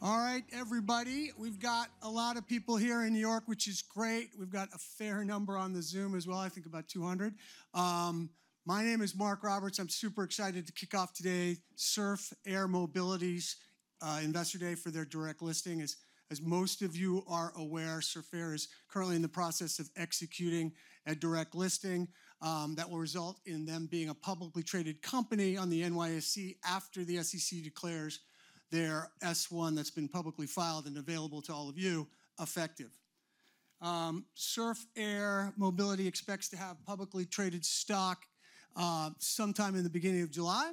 All right, everybody. We've got a lot of people here in New York, which is great. We've got a fair number on the Zoom as well, I think about 200. My name is Mark Roberts. I'm super excited to kick off today, Surf Air Mobility's investor day for their direct listing. As most of you are aware, Surf Air is currently in the process of executing a direct listing, that will result in them being a publicly traded company on the NYSE after the SEC declares their S-1 that's been publicly filed and available to all of you, effective. Surf Air Mobility expects to have publicly traded stock sometime in the beginning of July.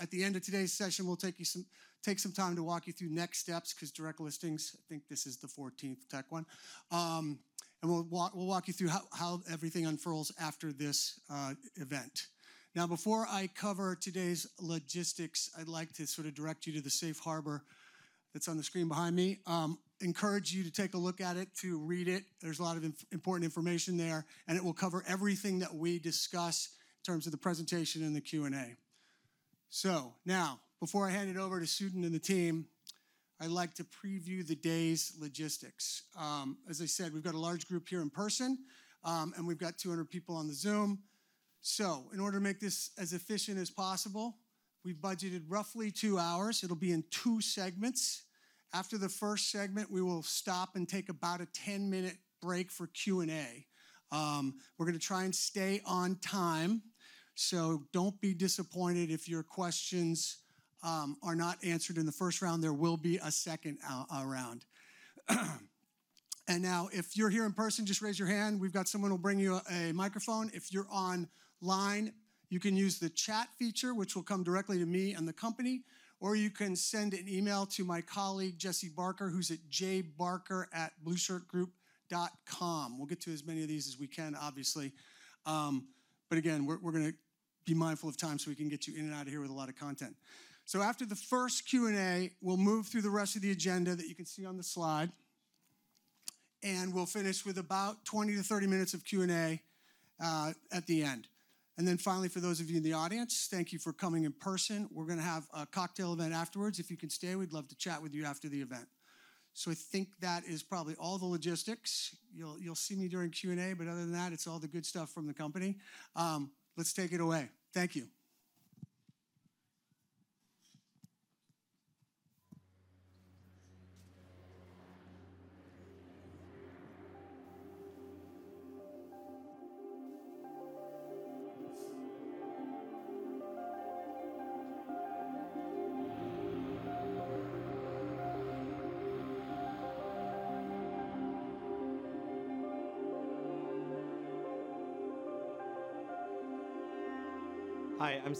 At the end of today's session, we'll take some time to walk you through next steps, because direct listings, I think this is the 14th tech one. We'll walk you through how everything unfurls after this event. Now, before I cover today's logistics, I'd like to sort of direct you to the safe harbor that's on the screen behind me. Encourage you to take a look at it, to read it. There's a lot of important information there, and it will cover everything that we discuss in terms of the presentation and the Q&A. Now, before I hand it over to Sudhin and the team, I'd like to preview the day's logistics. As I said, we've got a large group here in person, and we've got 200 people on the Zoom. In order to make this as efficient as possible, we've budgeted roughly 2 hours. It'll be in 2 segments. After the first segment, we will stop and take about a 10-minute break for Q&A. We're going to try and stay on time, so don't be disappointed if your questions are not answered in the first round. There will be a second round. If you're here in person, just raise your hand. We've got someone who'll bring you a microphone. If you're online, you can use the chat feature, which will come directly to me and the company, or you can send an email to my colleague, Jessie Barker, who's at jbarker@blueshirtgroup.com. We'll get to as many of these as we can, obviously. Again, we're gonna be mindful of time, so we can get you in and out of here with a lot of content. After the first Q&A, we'll move through the rest of the agenda that you can see on the slide, and we'll finish with about 20-30 minutes of Q&A at the end. Finally, for those of you in the audience, thank you for coming in person. We're gonna have a cocktail event afterwards. If you can stay, we'd love to chat with you after the event. I think that is probably all the logistics. You'll see me during Q&A, but other than that, it's all the good stuff from the company. Let's take it away. Thank you.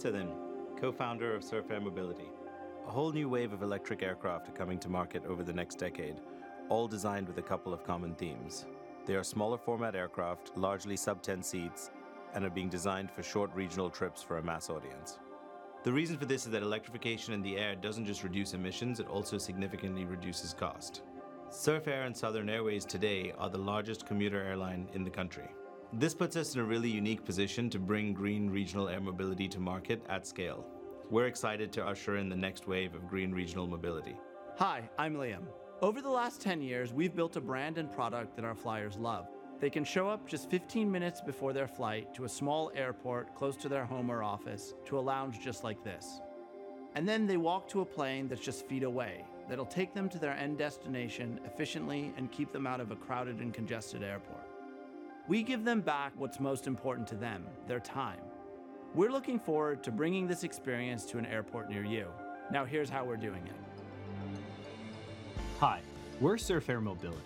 Hi, I'm Sudhin, co-founder of Surf Air Mobility. A whole new wave of electric aircraft are coming to market over the next decade, all designed with a couple of common themes. They are smaller format aircraft, largely sub 10 seats, and are being designed for short regional trips for a mass audience. The reason for this is that electrification in the air doesn't just reduce emissions, it also significantly reduces cost. Surf Air and Southern Airways today are the largest commuter airline in the country. This puts us in a really unique position to bring green regional air mobility to market at scale. We're excited to usher in the next wave of green regional mobility. Hi, I'm Liam. Over the last 10 years, we've built a brand and product that our flyers love. They can show up just 15 minutes before their flight to a small airport close to their home or office, to a lounge just like this. They walk to a plane that's just feet away, that'll take them to their end destination efficiently and keep them out of a crowded and congested airport. We give them back what's most important to them, their time. We're looking forward to bringing this experience to an airport near you. Here's how we're doing it. Hi, we're Surf Air Mobility.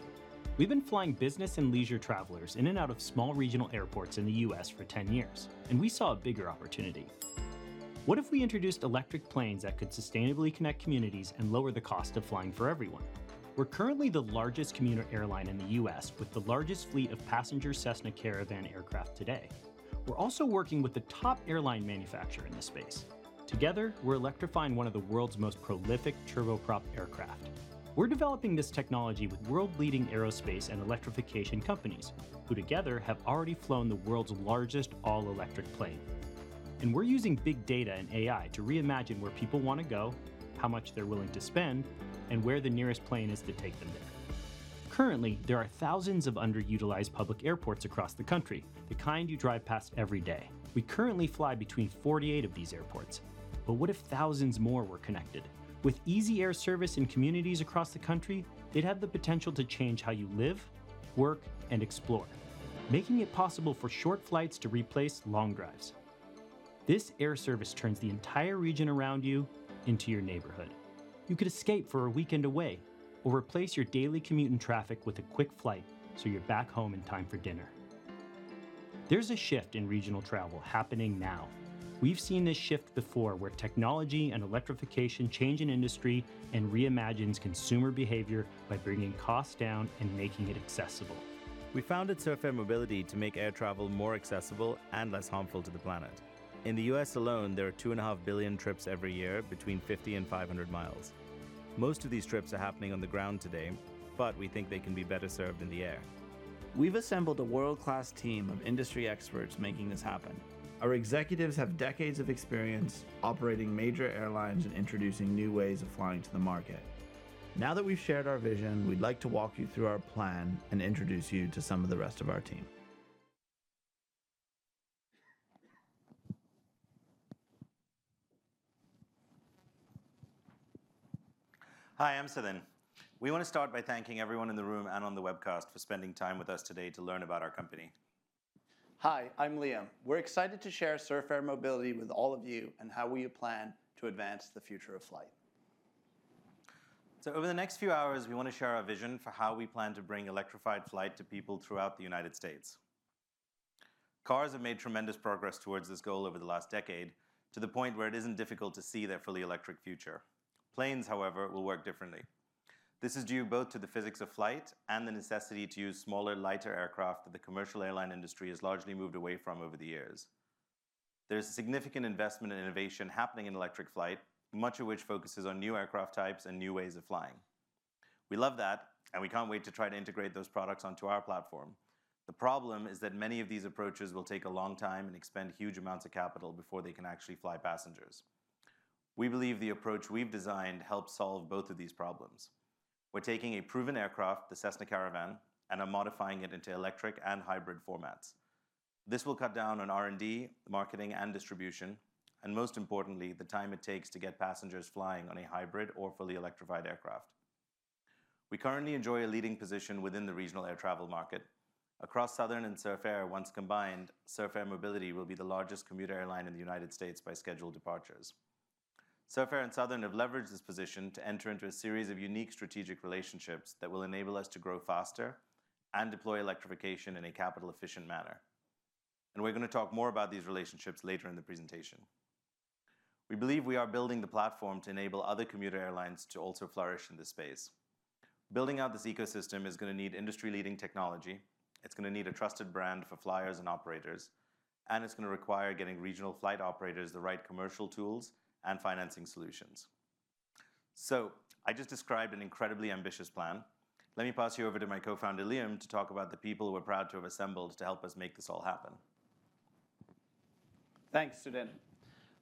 We've been flying business and leisure travelers in and out of small regional airports in the U.S. for 10 years, and we saw a bigger opportunity. What if we introduced electric planes that could sustainably connect communities and lower the cost of flying for everyone? We're currently the largest commuter airline in the U.S., with the largest fleet of passenger Cessna Caravan aircraft today. We're also working with the top airline manufacturer in this space. Together, we're electrifying one of the world's most prolific turboprop aircraft. We're developing this technology with world-leading aerospace and electrification companies, who together have already flown the world's largest all-electric plane. We're using big data and AI to reimagine where people want to go, how much they're willing to spend, and where the nearest plane is to take them there. Currently, there are thousands of underutilized public airports across the country, the kind you drive past every day. We currently fly between 48 of these airports. What if thousands more were connected? With easy air service in communities across the country, it'd have the potential to change how you live, work, and explore, making it possible for short flights to replace long drives. This air service turns the entire region around you into your neighborhood. You could escape for a weekend away or replace your daily commute and traffic with a quick flight, so you're back home in time for dinner. There's a shift in regional travel happening now. We've seen this shift before, where technology and electrification change an industry and reimagines consumer behavior by bringing costs down and making it accessible. We founded Surf Air Mobility to make air travel more accessible and less harmful to the planet. In the U.S. alone, there are 2.5 billion trips every year between 50 and 500 miles. Most of these trips are happening on the ground today, but we think they can be better served in the air. We've assembled a world-class team of industry experts making this happen. Our executives have decades of experience operating major airlines and introducing new ways of flying to the market. Now that we've shared our vision, we'd like to walk you through our plan and introduce you to some of the rest of our team. Hi, I'm Sudhin. We want to start by thanking everyone in the room and on the webcast for spending time with us today to learn about our company. Hi, I'm Liam. We're excited to share Surf Air Mobility with all of you and how we plan to advance the future of flight. Over the next few hours, we want to share our vision for how we plan to bring electrified flight to people throughout the United States. Cars have made tremendous progress towards this goal over the last decade, to the point where it isn't difficult to see their fully electric future. Planes, however, will work differently. This is due both to the physics of flight and the necessity to use smaller, lighter aircraft that the commercial airline industry has largely moved away from over the years. There's significant investment and innovation happening in electric flight, much of which focuses on new aircraft types and new ways of flying. We love that, and we can't wait to try to integrate those products onto our platform. The problem is that many of these approaches will take a long time and expend huge amounts of capital before they can actually fly passengers. We believe the approach we've designed helps solve both of these problems. We're taking a proven aircraft, the Cessna Caravan, and are modifying it into electric and hybrid formats. This will cut down on R&D, marketing, and distribution, and most importantly, the time it takes to get passengers flying on a hybrid or fully electrified aircraft. We currently enjoy a leading position within the regional air travel market. Across Southern and Surf Air, once combined, Surf Air Mobility will be the largest commuter airline in the United States by scheduled departures. Surf Air and Southern have leveraged this position to enter into a series of unique strategic relationships that will enable us to grow faster and deploy electrification in a capital-efficient manner. We're going to talk more about these relationships later in the presentation. We believe we are building the platform to enable other commuter airlines to also flourish in this space. Building out this ecosystem is gonna need industry-leading technology, it's gonna need a trusted brand for flyers and operators, and it's gonna require getting regional flight operators the right commercial tools and financing solutions. I just described an incredibly ambitious plan. Let me pass you over to my co-founder, Liam, to talk about the people we're proud to have assembled to help us make this all happen. Thanks, Sudhin.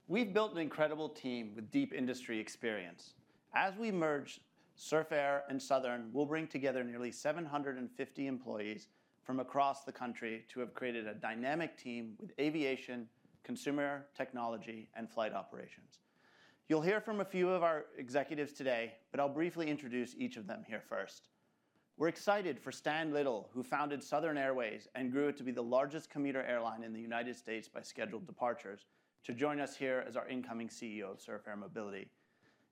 We've built an incredible team with deep industry experience. As we merge Surf Air and Southern, we'll bring together nearly 750 employees from across the country to have created a dynamic team with aviation, consumer, technology, and flight operations. You'll hear from a few of our executives today. I'll briefly introduce each of them here first. We're excited for Stan Little, who founded Southern Airways and grew it to be the largest commuter airline in the United States by scheduled departures, to join us here as our incoming CEO of Surf Air Mobility.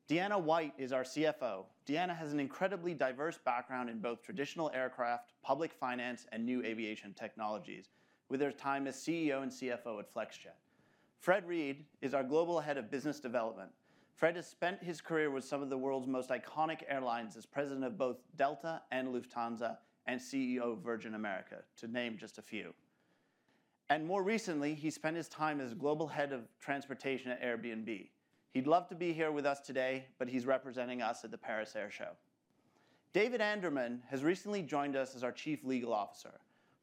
Deanna White is our CFO. Deanna has an incredibly diverse background in both traditional aircraft, public finance, and new aviation technologies with her time as CEO and CFO at Flexjet. Fred Reid is our Global Head of Business Development. Fred has spent his career with some of the world's most iconic airlines as president of both Delta and Lufthansa, and CEO of Virgin America, to name just a few. More recently, he spent his time as Global Head of Transportation at Airbnb. He'd love to be here with us today, but he's representing us at the Paris Air Show. David Anderman has recently joined us as our Chief Legal Officer,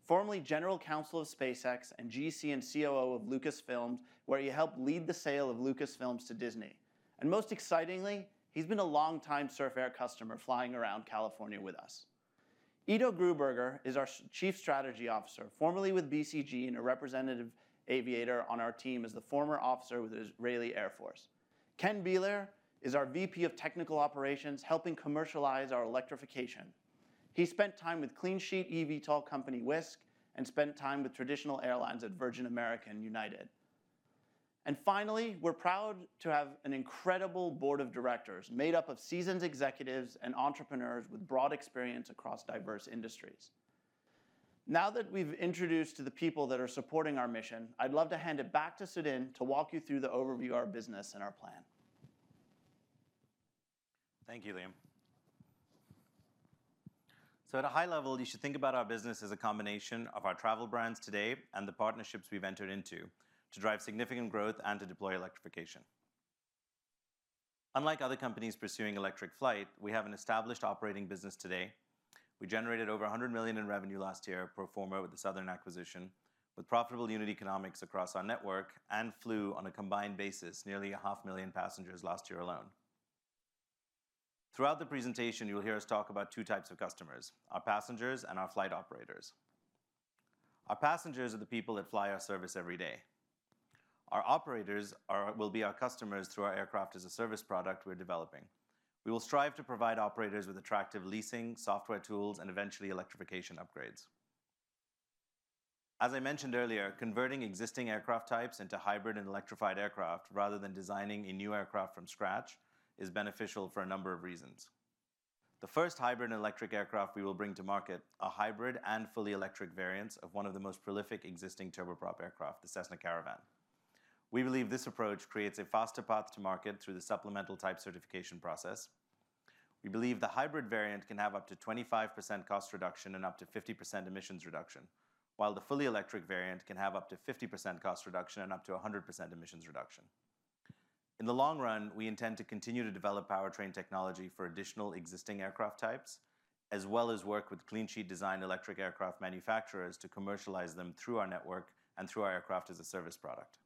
formerly General Counsel of SpaceX and GC and COO of Lucasfilm, where he helped lead the sale of Lucasfilm to Disney. Most excitingly, he's been a long-time Surf Air customer flying around California with us. Ido Haber is our Chief Strategy Officer, formerly with BCG, and a representative aviator on our team as the former officer with the Israeli Air Force. Ken Bieler is our VP of Technical Operations, helping commercialize our electrification. He spent time with clean sheet eVTOL company, Wisk, and spent time with traditional airlines at Virgin America and United. Finally, we're proud to have an incredible board of directors made up of seasoned executives and entrepreneurs with broad experience across diverse industries. Now that we've introduced to the people that are supporting our mission, I'd love to hand it back to Sudhin to walk you through the overview of our business and our plan. Thank you, Liam. At a high level, you should think about our business as a combination of our travel brands today and the partnerships we've entered into to drive significant growth and to deploy electrification. Unlike other companies pursuing electric flight, we have an established operating business today. We generated over $100 million in revenue last year, pro forma with the Southern acquisition, with profitable unit economics across our network, and flew on a combined basis, nearly 500,000 passengers last year alone. Throughout the presentation, you'll hear us talk about two types of customers: our passengers and our flight operators. Our passengers are the people that fly our service every day. Our operators will be our customers through our Aircraft as a Service product we're developing. We will strive to provide operators with attractive leasing, software tools, and eventually, electrification upgrades. As I mentioned earlier, converting existing aircraft types into hybrid and electrified aircraft, rather than designing a new aircraft from scratch, is beneficial for a number of reasons. The first hybrid and electric aircraft we will bring to market are hybrid and fully electric variants of one of the most prolific existing turboprop aircraft, the Cessna Caravan. We believe this approach creates a faster path to market through the supplemental type certification process. We believe the hybrid variant can have up to 25% cost reduction and up to 50% emissions reduction, while the fully electric variant can have up to 50% cost reduction and up to 100% emissions reduction. In the long run, we intend to continue to develop powertrain technology for additional existing aircraft types, as well as work with clean sheet design electric aircraft manufacturers to commercialize them through our network and through our Aircraft as a Service product.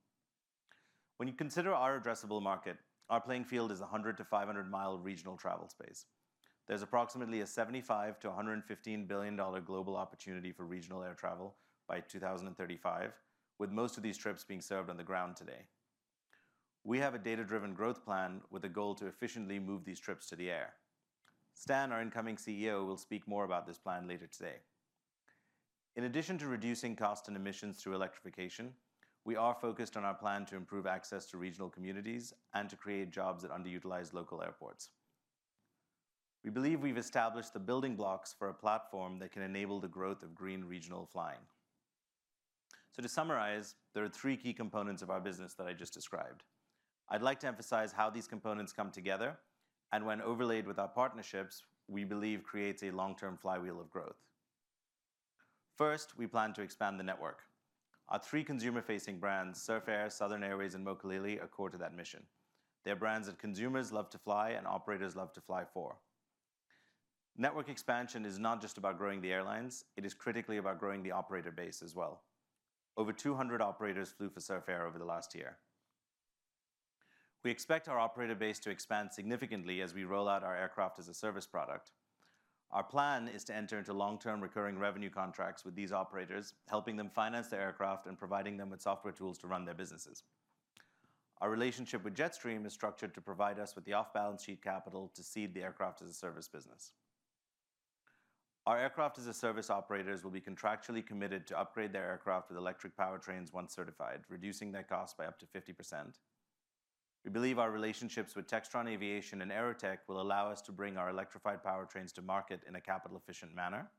When you consider our addressable market, our playing field is a 100-500 mile regional travel space. There's approximately a $75 billion-$115 billion global opportunity for regional air travel by 2035, with most of these trips being served on the ground today. We have a data-driven growth plan with a goal to efficiently move these trips to the air. Stan, our incoming CEO, will speak more about this plan later today. In addition to reducing cost and emissions through electrification, we are focused on our plan to improve access to regional communities and to create jobs at underutilized local airports. We believe we've established the building blocks for a platform that can enable the growth of green regional flying. To summarize, there are three key components of our business that I just described. I'd like to emphasize how these components come together, and when overlaid with our partnerships, we believe creates a long-term flywheel of growth. First, we plan to expand the network. Our three consumer-facing brands, Surf Air, Southern Airways, and Mokulele, are core to that mission. They're brands that consumers love to fly and operators love to fly for. Network expansion is not just about growing the airlines, it is critically about growing the operator base as well. Over 200 operators flew for Surf Air over the last year. We expect our operator base to expand significantly as we roll out our Aircraft as a Service product. Our plan is to enter into long-term recurring revenue contracts with these operators, helping them finance their aircraft and providing them with software tools to run their businesses. Our relationship with Jetstream is structured to provide us with the off-balance sheet capital to seed the Aircraft as a Service business. Our Aircraft as a Service operators will be contractually committed to upgrade their aircraft with electric powertrains once certified, reducing their cost by up to 50%. We believe our relationships with Textron Aviation and AeroTEC will allow us to bring our electrified powertrains to market in a capital-efficient manner.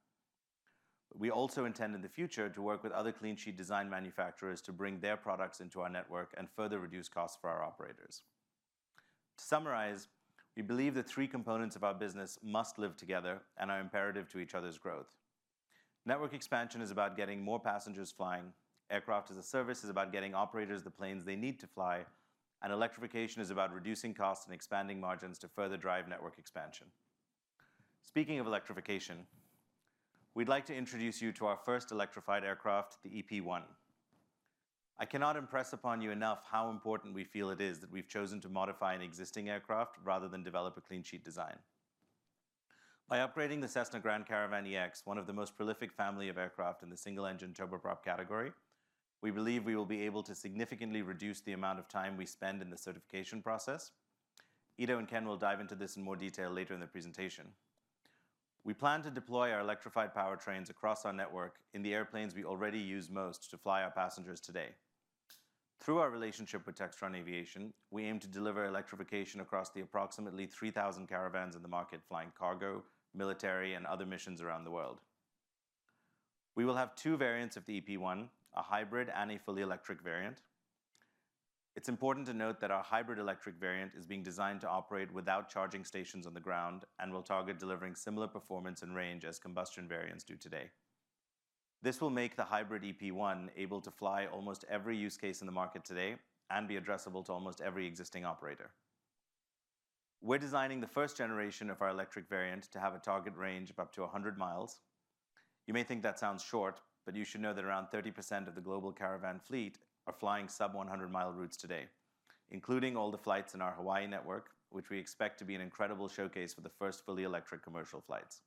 We also intend, in the future, to work with other clean sheet design manufacturers to bring their products into our network and further reduce costs for our operators. To summarize, we believe the three components of our business must live together and are imperative to each other's growth. Network expansion is about getting more passengers flying. Aircraft as a Service is about getting operators the planes they need to fly, and electrification is about reducing costs and expanding margins to further drive network expansion. Speaking of electrification, we'd like to introduce you to our first electrified aircraft, the EP1. I cannot impress upon you enough how important we feel it is that we've chosen to modify an existing aircraft rather than develop a clean sheet design. By upgrading the Cessna Grand Caravan EX, one of the most prolific family of aircraft in the single-engine turboprop category, we believe we will be able to significantly reduce the amount of time we spend in the certification process. Ido and Ken will dive into this in more detail later in the presentation. We plan to deploy our electrified powertrains across our network in the airplanes we already use most to fly our passengers today. Through our relationship with Textron Aviation, we aim to deliver electrification across the approximately 3,000 Caravans in the market, flying cargo, military, and other missions around the world. We will have two variants of the EP1, a hybrid and a fully electric variant. It's important to note that our hybrid electric variant is being designed to operate without charging stations on the ground and will target delivering similar performance and range as combustion variants do today. This will make the hybrid EP1 able to fly almost every use case in the market today and be addressable to almost every existing operator. We're designing the first generation of our electric variant to have a target range of up to 100 miles. You may think that sounds short, but you should know that around 30% of the global Caravan fleet are flying sub 100-mile routes today, including all the flights in our Hawaii network, which we expect to be an incredible showcase for the first fully electric commercial flights.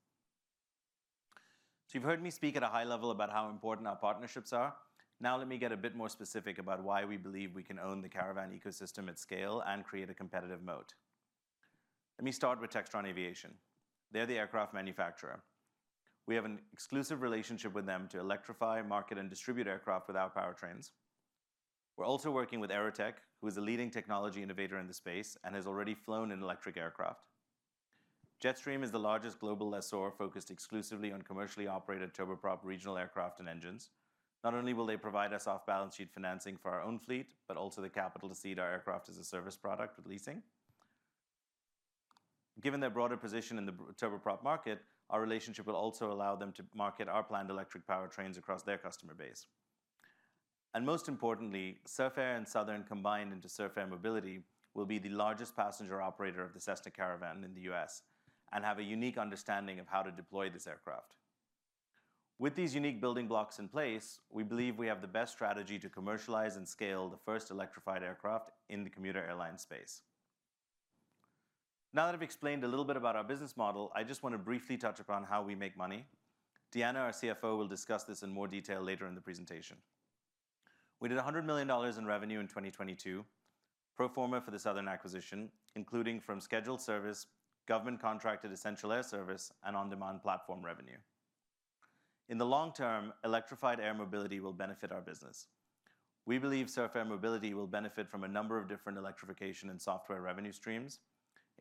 You've heard me speak at a high level about how important our partnerships are. Let me get a bit more specific about why we believe we can own the Caravan ecosystem at scale and create a competitive moat. Let me start with Textron Aviation. They're the aircraft manufacturer. We have an exclusive relationship with them to electrify, market, and distribute aircraft with our powertrains. We're also working with AeroTEC, who is a leading technology innovator in the space and has already flown an electric aircraft. Jetstream is the largest global lessor, focused exclusively on commercially operated turboprop regional aircraft and engines. Not only will they provide us off-balance sheet financing for our own fleet, but also the capital to seed our Aircraft as a Service product with leasing. Given their broader position in the turboprop market, our relationship will also allow them to market our planned electric powertrains across their customer base. Most importantly, Surf Air and Southern Airways combined into Surf Air Mobility, will be the largest passenger operator of the Cessna Caravan in the U.S. and have a unique understanding of how to deploy this aircraft. With these unique building blocks in place, we believe we have the best strategy to commercialize and scale the first electrified aircraft in the commuter airline space. Now that I've explained a little bit about our business model, I just want to briefly touch upon how we make money. Deanna, our CFO, will discuss this in more detail later in the presentation. We did $100 million in revenue in 2022, pro forma for the Southern Airways acquisition, including from scheduled service, government-contracted Essential Air Service, and on-demand platform revenue. In the long term, electrified air mobility will benefit our business. We believe Surf Air Mobility will benefit from a number of different electrification and software revenue streams,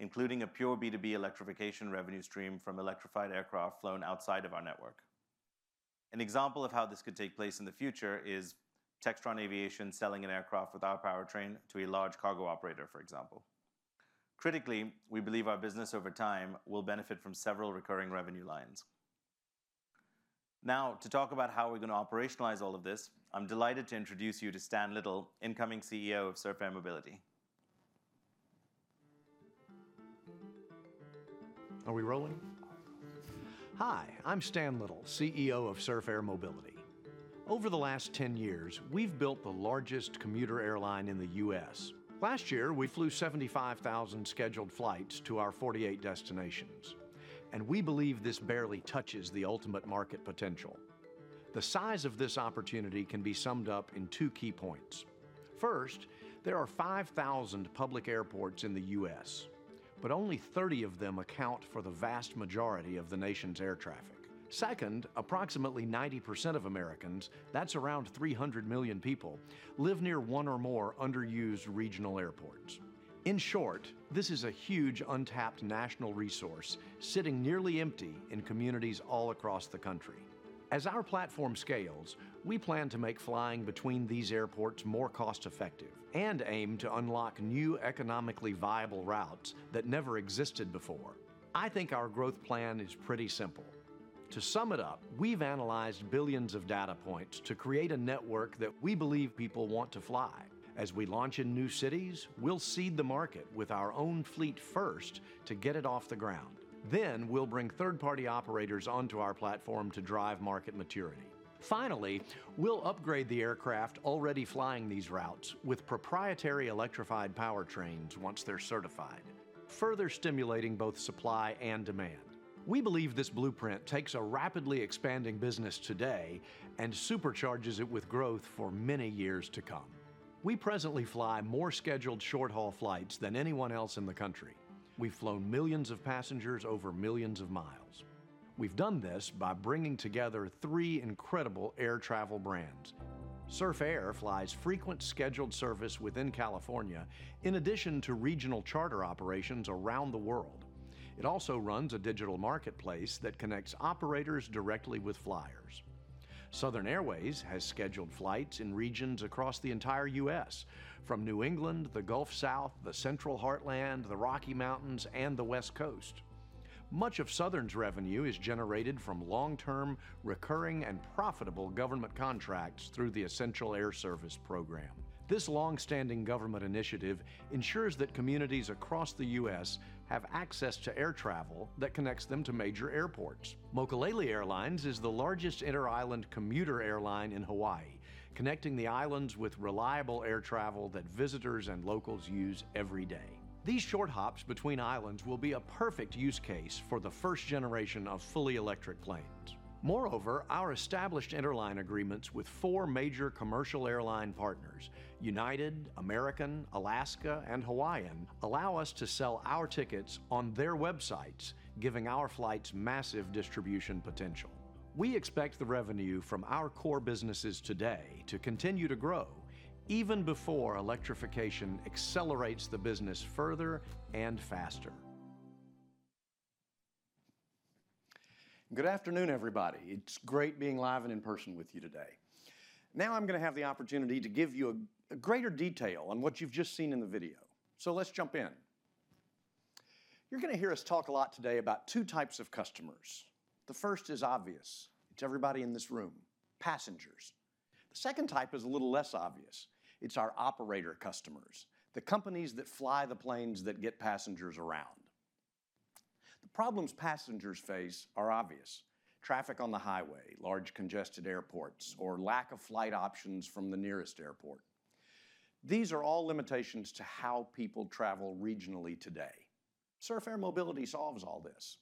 including a pure B2B electrification revenue stream from electrified aircraft flown outside of our network. An example of how this could take place in the future is Textron Aviation selling an aircraft with our powertrain to a large cargo operator, for example. Critically, we believe our business over time will benefit from several recurring revenue lines. To talk about how we're going to operationalize all of this, I'm delighted to introduce you to Stan Little, incoming CEO of Surf Air Mobility. Are we rolling? Hi, I'm Stan Little, CEO of Surf Air Mobility. Over the last 10 years, we've built the largest commuter airline in the U.S. Last year, we flew 75,000 scheduled flights to our 48 destinations, and we believe this barely touches the ultimate market potential. The size of this opportunity can be summed up in two key points. First, there are 5,000 public airports in the U.S., but only 30 of them account for the vast majority of the nation's air traffic. Second, approximately 90% of Americans, that's around 300 million people, live near one or more underused regional airports. In short, this is a huge untapped national resource, sitting nearly empty in communities all across the country. As our platform scales, we plan to make flying between these airports more cost-effective and aim to unlock new economically viable routes that never existed before. I think our growth plan is pretty simple. To sum it up, we've analyzed billions of data points to create a network that we believe people want to fly. As we launch in new cities, we'll seed the market with our own fleet first to get it off the ground. We'll bring third-party operators onto our platform to drive market maturity. We'll upgrade the aircraft already flying these routes with proprietary electrified powertrains once they're certified, further stimulating both supply and demand. We believe this blueprint takes a rapidly expanding business today and supercharges it with growth for many years to come. We presently fly more scheduled short-haul flights than anyone else in the country. We've flown millions of passengers over millions of miles. We've done this by bringing together three incredible air travel brands. Surf Air flies frequent scheduled service within California, in addition to regional charter operations around the world. It also runs a digital marketplace that connects operators directly with flyers. Southern Airways has scheduled flights in regions across the entire U.S., from New England, the Gulf South, the Central Heartland, the Rocky Mountains, and the West Coast. Much of Southern's revenue is generated from long-term, recurring, and profitable government contracts through the Essential Air Service program. This long-standing government initiative ensures that communities across the U.S. have access to air travel that connects them to major airports. Mokulele Airlines is the largest inter-island commuter airline in Hawaii, connecting the islands with reliable air travel that visitors and locals use every day. These short hops between islands will be a perfect use case for the first generation of fully electric planes. Our established interline agreements with four major commercial airline partners, United, American, Alaska, and Hawaiian, allow us to sell our tickets on their websites, giving our flights massive distribution potential. We expect the revenue from our core businesses today to continue to grow even before electrification accelerates the business further and faster. Good afternoon, everybody. It's great being live and in person with you today. I'm going to have the opportunity to give you a greater detail on what you've just seen in the video. Let's jump in. You're going to hear us talk a lot today about two types of customers. The first is obvious. It's everybody in this room, passengers. The second type is a little less obvious. It's our operator customers, the companies that fly the planes that get passengers around. The problems passengers face are obvious: traffic on the highway, large congested airports, or lack of flight options from the nearest airport. These are all limitations to how people travel regionally today. Surf Air Mobility solves all this.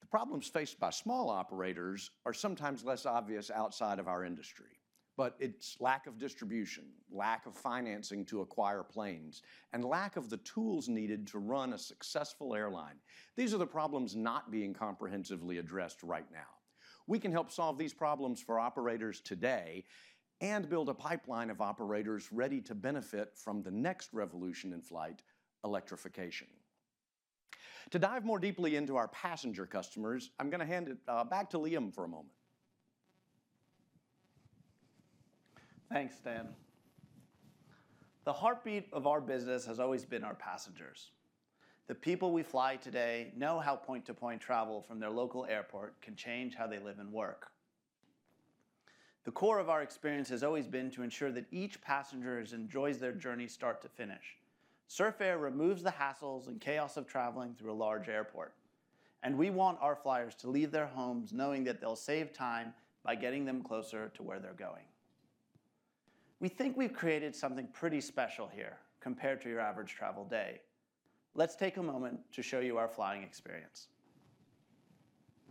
The problems faced by small operators are sometimes less obvious outside of our industry, but it's lack of distribution, lack of financing to acquire planes, and lack of the tools needed to run a successful airline. These are the problems not being comprehensively addressed right now. We can help solve these problems for operators today and build a pipeline of operators ready to benefit from the next revolution in flight, electrification. To dive more deeply into our passenger customers, I'm going to hand it back to Liam for a moment. Thanks, Stan. The heartbeat of our business has always been our passengers. The people we fly today know how point-to-point travel from their local airport can change how they live and work. The core of our experience has always been to ensure that each passenger enjoys their journey start to finish. Surf Air removes the hassles and chaos of traveling through a large airport, and we want our flyers to leave their homes knowing that they'll save time by getting them closer to where they're going. We think we've created something pretty special here compared to your average travel day. Let's take a moment to show you our flying experience.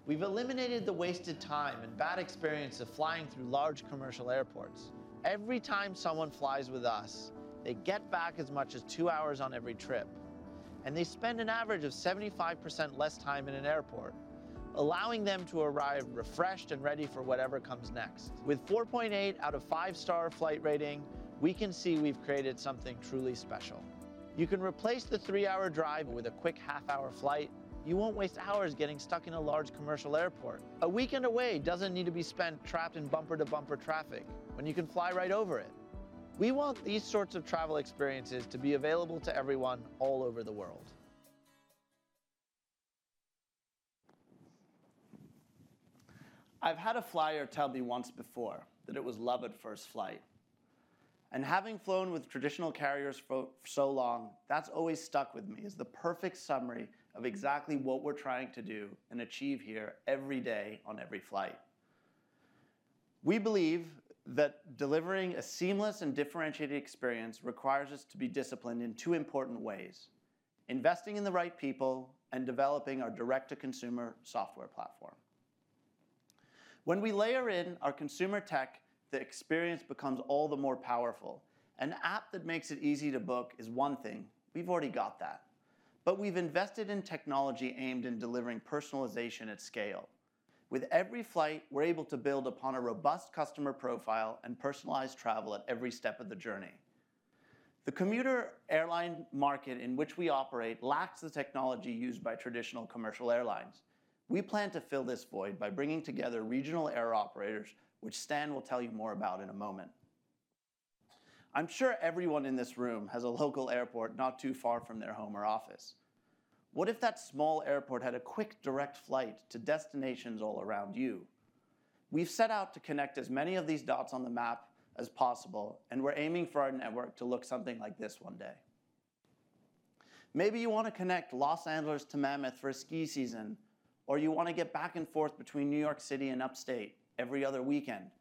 We've eliminated the wasted time and bad experience of flying through large commercial airports. Every time someone flies with us, they get back as much as 2 hours on every trip, and they spend an average of 75% less time in an airport, allowing them to arrive refreshed and ready for whatever comes next. With 4.8 out of 5 star flight rating, we can see we've created something truly special. You can replace the 3-hour drive with a quick half-hour flight. You won't waste hours getting stuck in a large commercial airport. A weekend away doesn't need to be spent trapped in bumper-to-bumper traffic when you can fly right over it. We want these sorts of travel experiences to be available to everyone all over the world.... I've had a flyer tell me once before that it was love at first flight, and having flown with traditional carriers for so long, that's always stuck with me as the perfect summary of exactly what we're trying to do and achieve here every day on every flight. We believe that delivering a seamless and differentiated experience requires us to be disciplined in two important ways: investing in the right people and developing our direct-to-consumer software platform. When we layer in our consumer tech, the experience becomes all the more powerful. An app that makes it easy to book is one thing, we've already got that. We've invested in technology aimed in delivering personalization at scale. With every flight, we're able to build upon a robust customer profile and personalize travel at every step of the journey. The commuter airline market in which we operate lacks the technology used by traditional commercial airlines. We plan to fill this void by bringing together regional air operators, which Stan will tell you more about in a moment. I'm sure everyone in this room has a local airport not too far from their home or office. What if that small airport had a quick, direct flight to destinations all around you? We've set out to connect as many of these dots on the map as possible, and we're aiming for our network to look something like this one day. Maybe you want to connect Los Angeles to Mammoth for a ski season, or you want to get back and forth between New York City and Upstate every other weekend,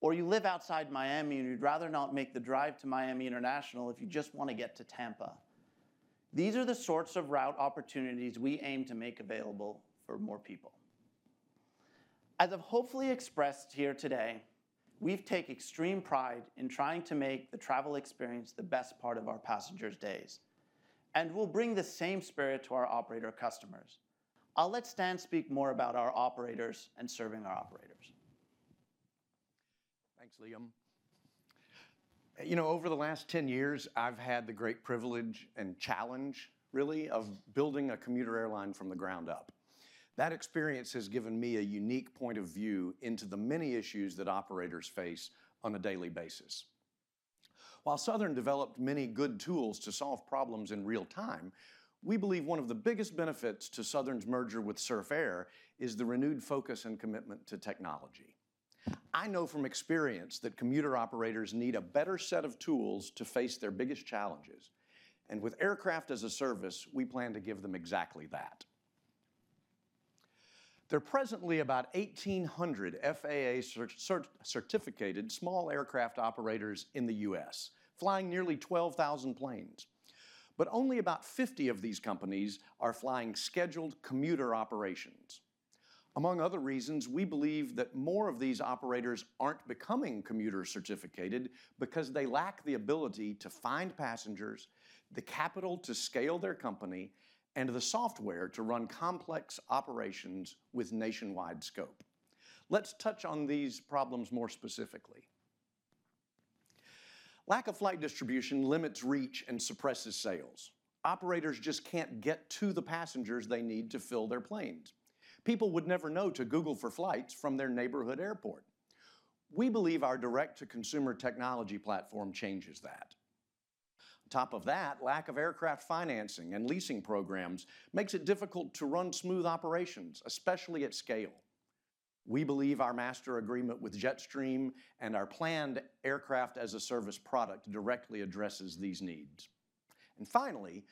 or you live outside Miami, and you'd rather not make the drive to Miami International if you just want to get to Tampa. These are the sorts of route opportunities we aim to make available for more people. As I've hopefully expressed here today, we take extreme pride in trying to make the travel experience the best part of our passengers' days, and we'll bring the same spirit to our operator customers. I'll let Stan speak more about our operators and serving our operators. Thanks, Liam. You know, over the last 10 years, I've had the great privilege and challenge, really, of building a commuter airline from the ground up. That experience has given me a unique point of view into the many issues that operators face on a daily basis. While Southern developed many good tools to solve problems in real time, we believe one of the biggest benefits to Southern's merger with Surf Air is the renewed focus and commitment to technology. I know from experience that commuter operators need a better set of tools to face their biggest challenges, and with Aircraft as a Service, we plan to give them exactly that. There are presently about 1,800 FAA certificated small aircraft operators in the U.S., flying nearly 12,000 planes, but only about 50 of these companies are flying scheduled commuter operations. Among other reasons, we believe that more of these operators aren't becoming commuter certificated because they lack the ability to find passengers, the capital to scale their company, and the software to run complex operations with nationwide scope. Let's touch on these problems more specifically. Lack of flight distribution limits reach and suppresses sales. Operators just can't get to the passengers they need to fill their planes. People would never know to google for flights from their neighborhood airport. We believe our direct-to-consumer technology platform changes that. On top of that, lack of aircraft financing and leasing programs makes it difficult to run smooth operations, especially at scale. We believe our master agreement with Jetstream and our planned Aircraft as a Service product directly addresses these needs. Finally,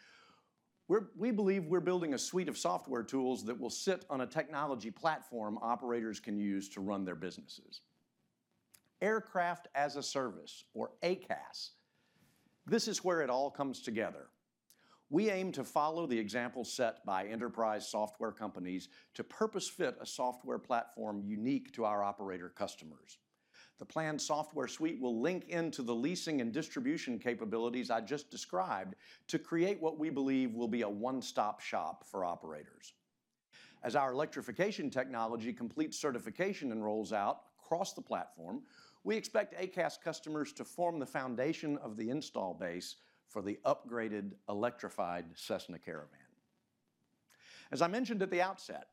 we believe we're building a suite of software tools that will sit on a technology platform operators can use to run their businesses. Aircraft as a Service or AaaS, this is where it all comes together. We aim to follow the example set by enterprise software companies to purpose-fit a software platform unique to our operator customers. The planned software suite will link into the leasing and distribution capabilities I just described to create what we believe will be a one-stop shop for operators. As our electrification technology completes certification and rolls out across the platform, we expect AaaS customers to form the foundation of the install base for the upgraded electrified Cessna Caravan. As I mentioned at the outset,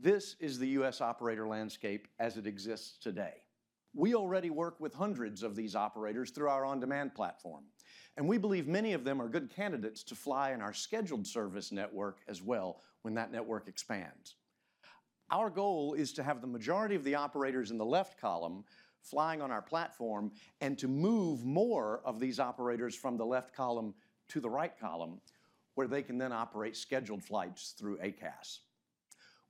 this is the U.S. operator landscape as it exists today. We already work with hundreds of these operators through our on-demand platform, and we believe many of them are good candidates to fly in our scheduled service network as well when that network expands. Our goal is to have the majority of the operators in the left column flying on our platform, and to move more of these operators from the left column to the right column, where they can then operate scheduled flights through AaaS.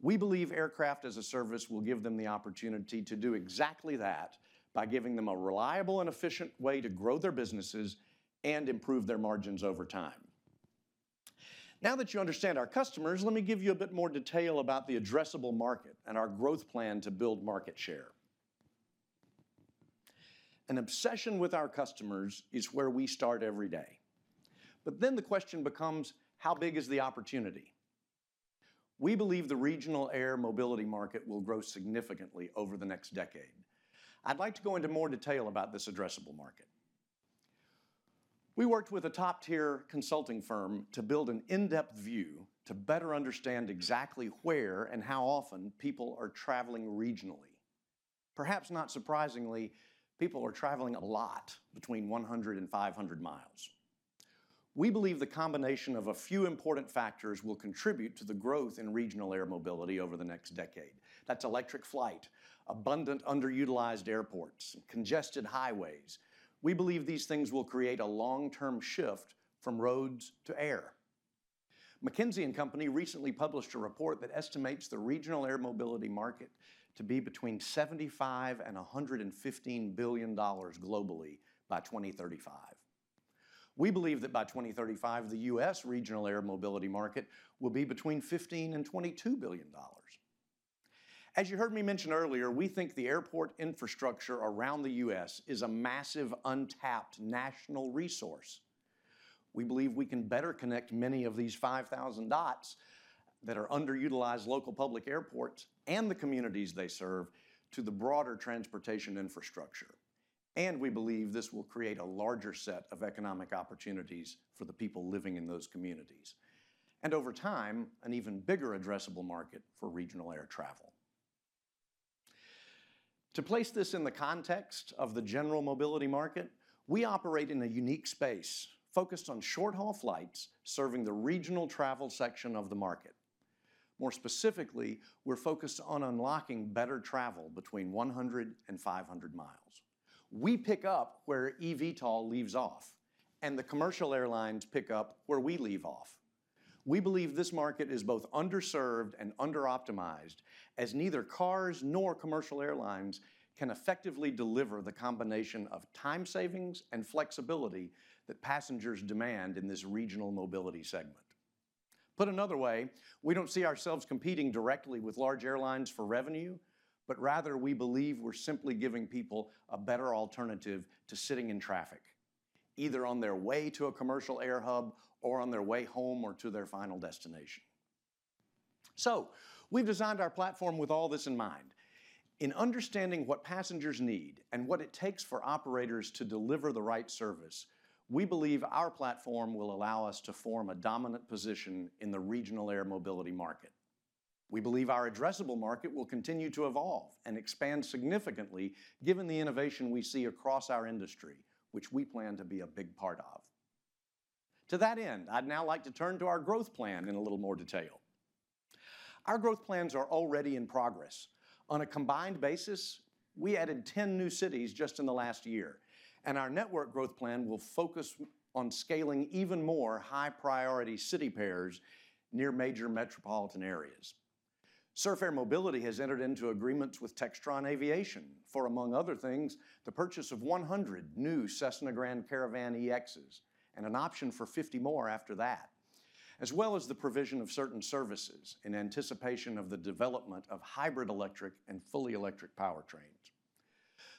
We believe Aircraft as a Service will give them the opportunity to do exactly that by giving them a reliable and efficient way to grow their businesses and improve their margins over time. Now that you understand our customers, let me give you a bit more detail about the addressable market and our growth plan to build market share. An obsession with our customers is where we start every day. The question becomes: How big is the opportunity? We believe the regional air mobility market will grow significantly over the next decade. I'd like to go into more detail about this addressable market. We worked with a top-tier consulting firm to build an in-depth view to better understand exactly where and how often people are traveling regionally. Perhaps not surprisingly, people are traveling a lot between 100 and 500 miles. We believe the combination of a few important factors will contribute to the growth in regional air mobility over the next decade. That's electric flight, abundant underutilized airports, and congested highways. We believe these things will create a long-term shift from roads to air. McKinsey & Company recently published a report that estimates the regional air mobility market to be between $75 billion-$115 billion globally by 2035. We believe that by 2035, the U.S. regional air mobility market will be between $15 billion-$22 billion. As you heard me mention earlier, we think the airport infrastructure around the U.S. is a massive, untapped national resource. We believe we can better connect many of these 5,000 dots that are underutilized local public airports and the communities they serve to the broader transportation infrastructure, and we believe this will create a larger set of economic opportunities for the people living in those communities, and over time, an even bigger addressable market for regional air travel. To place this in the context of the general mobility market, we operate in a unique space, focused on short-haul flights, serving the regional travel section of the market. More specifically, we're focused on unlocking better travel between 100 and 500 miles. We pick up where eVTOL leaves off, and the commercial airlines pick up where we leave off. We believe this market is both underserved and underoptimized, as neither cars nor commercial airlines can effectively deliver the combination of time savings and flexibility that passengers demand in this regional mobility segment. Put another way, we don't see ourselves competing directly with large airlines for revenue, but rather we believe we're simply giving people a better alternative to sitting in traffic, either on their way to a commercial air hub or on their way home or to their final destination. We've designed our platform with all this in mind. In understanding what passengers need and what it takes for operators to deliver the right service, we believe our platform will allow us to form a dominant position in the regional air mobility market. We believe our addressable market will continue to evolve and expand significantly, given the innovation we see across our industry, which we plan to be a big part of. To that end, I'd now like to turn to our growth plan in a little more detail. Our growth plans are already in progress. On a combined basis, we added 10 new cities just in the last year, and our network growth plan will focus on scaling even more high-priority city pairs near major metropolitan areas. Surf Air Mobility has entered into agreements with Textron Aviation for, among other things, the purchase of 100 new Cessna Grand Caravan EXs and an option for 50 more after that, as well as the provision of certain services in anticipation of the development of hybrid electric and fully electric powertrains.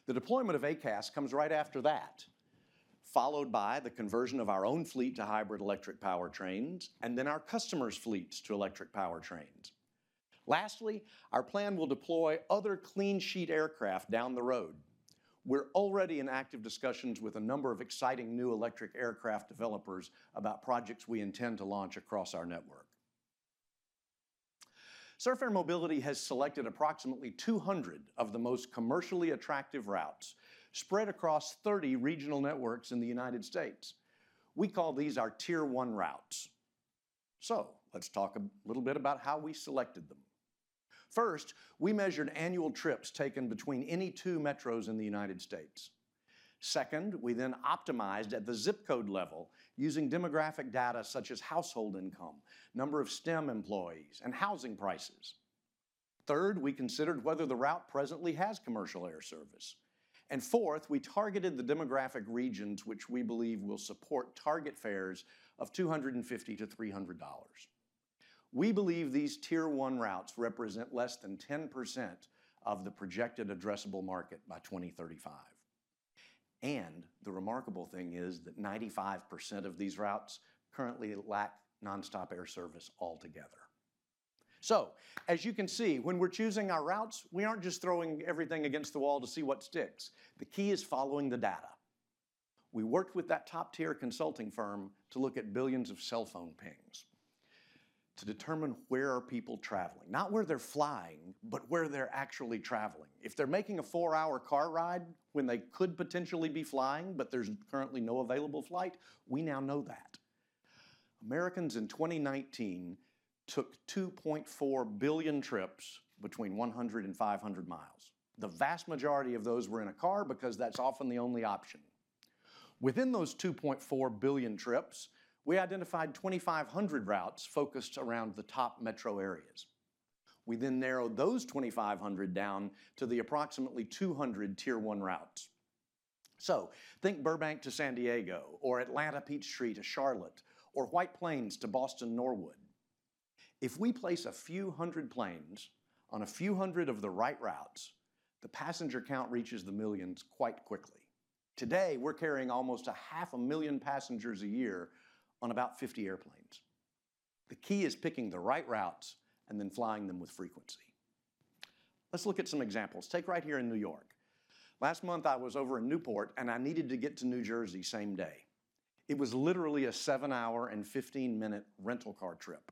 The deployment of AaaS comes right after that, followed by the conversion of our own fleet to hybrid electric powertrains, and then our customers' fleets to electric powertrains. Lastly, our plan will deploy other clean-sheet aircraft down the road. We're already in active discussions with a number of exciting new electric aircraft developers about projects we intend to launch across our network. Surf Air Mobility has selected approximately 200 of the most commercially attractive routes spread across 30 regional networks in the United States. We call these our Tier one routes. Let's talk a little bit about how we selected them. First, we measured annual trips taken between any two metros in the United States. Second, we then optimized at the zip code level using demographic data such as household income, number of STEM employees, and housing prices. Third, we considered whether the route presently has commercial air service. Fourth, we targeted the demographic regions which we believe will support target fares of $250-$300. We believe these Tier One routes represent less than 10% of the projected addressable market by 2035, the remarkable thing is that 95% of these routes currently lack nonstop air service altogether. As you can see, when we're choosing our routes, we aren't just throwing everything against the wall to see what sticks. The key is following the data. We worked with that top-tier consulting firm to look at billions of cell phone pings to determine where are people traveling, not where they're flying, but where they're actually traveling. If they're making a 4-hour car ride when they could potentially be flying, but there's currently no available flight, we now know that. Americans in 2019 took 2.4 billion trips between 100 and 500 miles. The vast majority of those were in a car because that's often the only option. Within those 2.4 billion trips, we identified 2,500 routes focused around the top metro areas. We narrowed those 2,500 down to the approximately 200 Tier one routes. Think Burbank to San Diego, or Atlanta Peachtree to Charlotte, or White Plains to Boston Norwood. If we place a few hundred planes on a few hundred of the right routes, the passenger count reaches the millions quite quickly. Today, we're carrying almost a half a million passengers a year on about 50 airplanes. The key is picking the right routes and then flying them with frequency. Let's look at some examples. Take right here in New York. Last month, I was over in Newport, and I needed to get to New Jersey same day. It was literally a 7-hour and 15-minute rental car trip.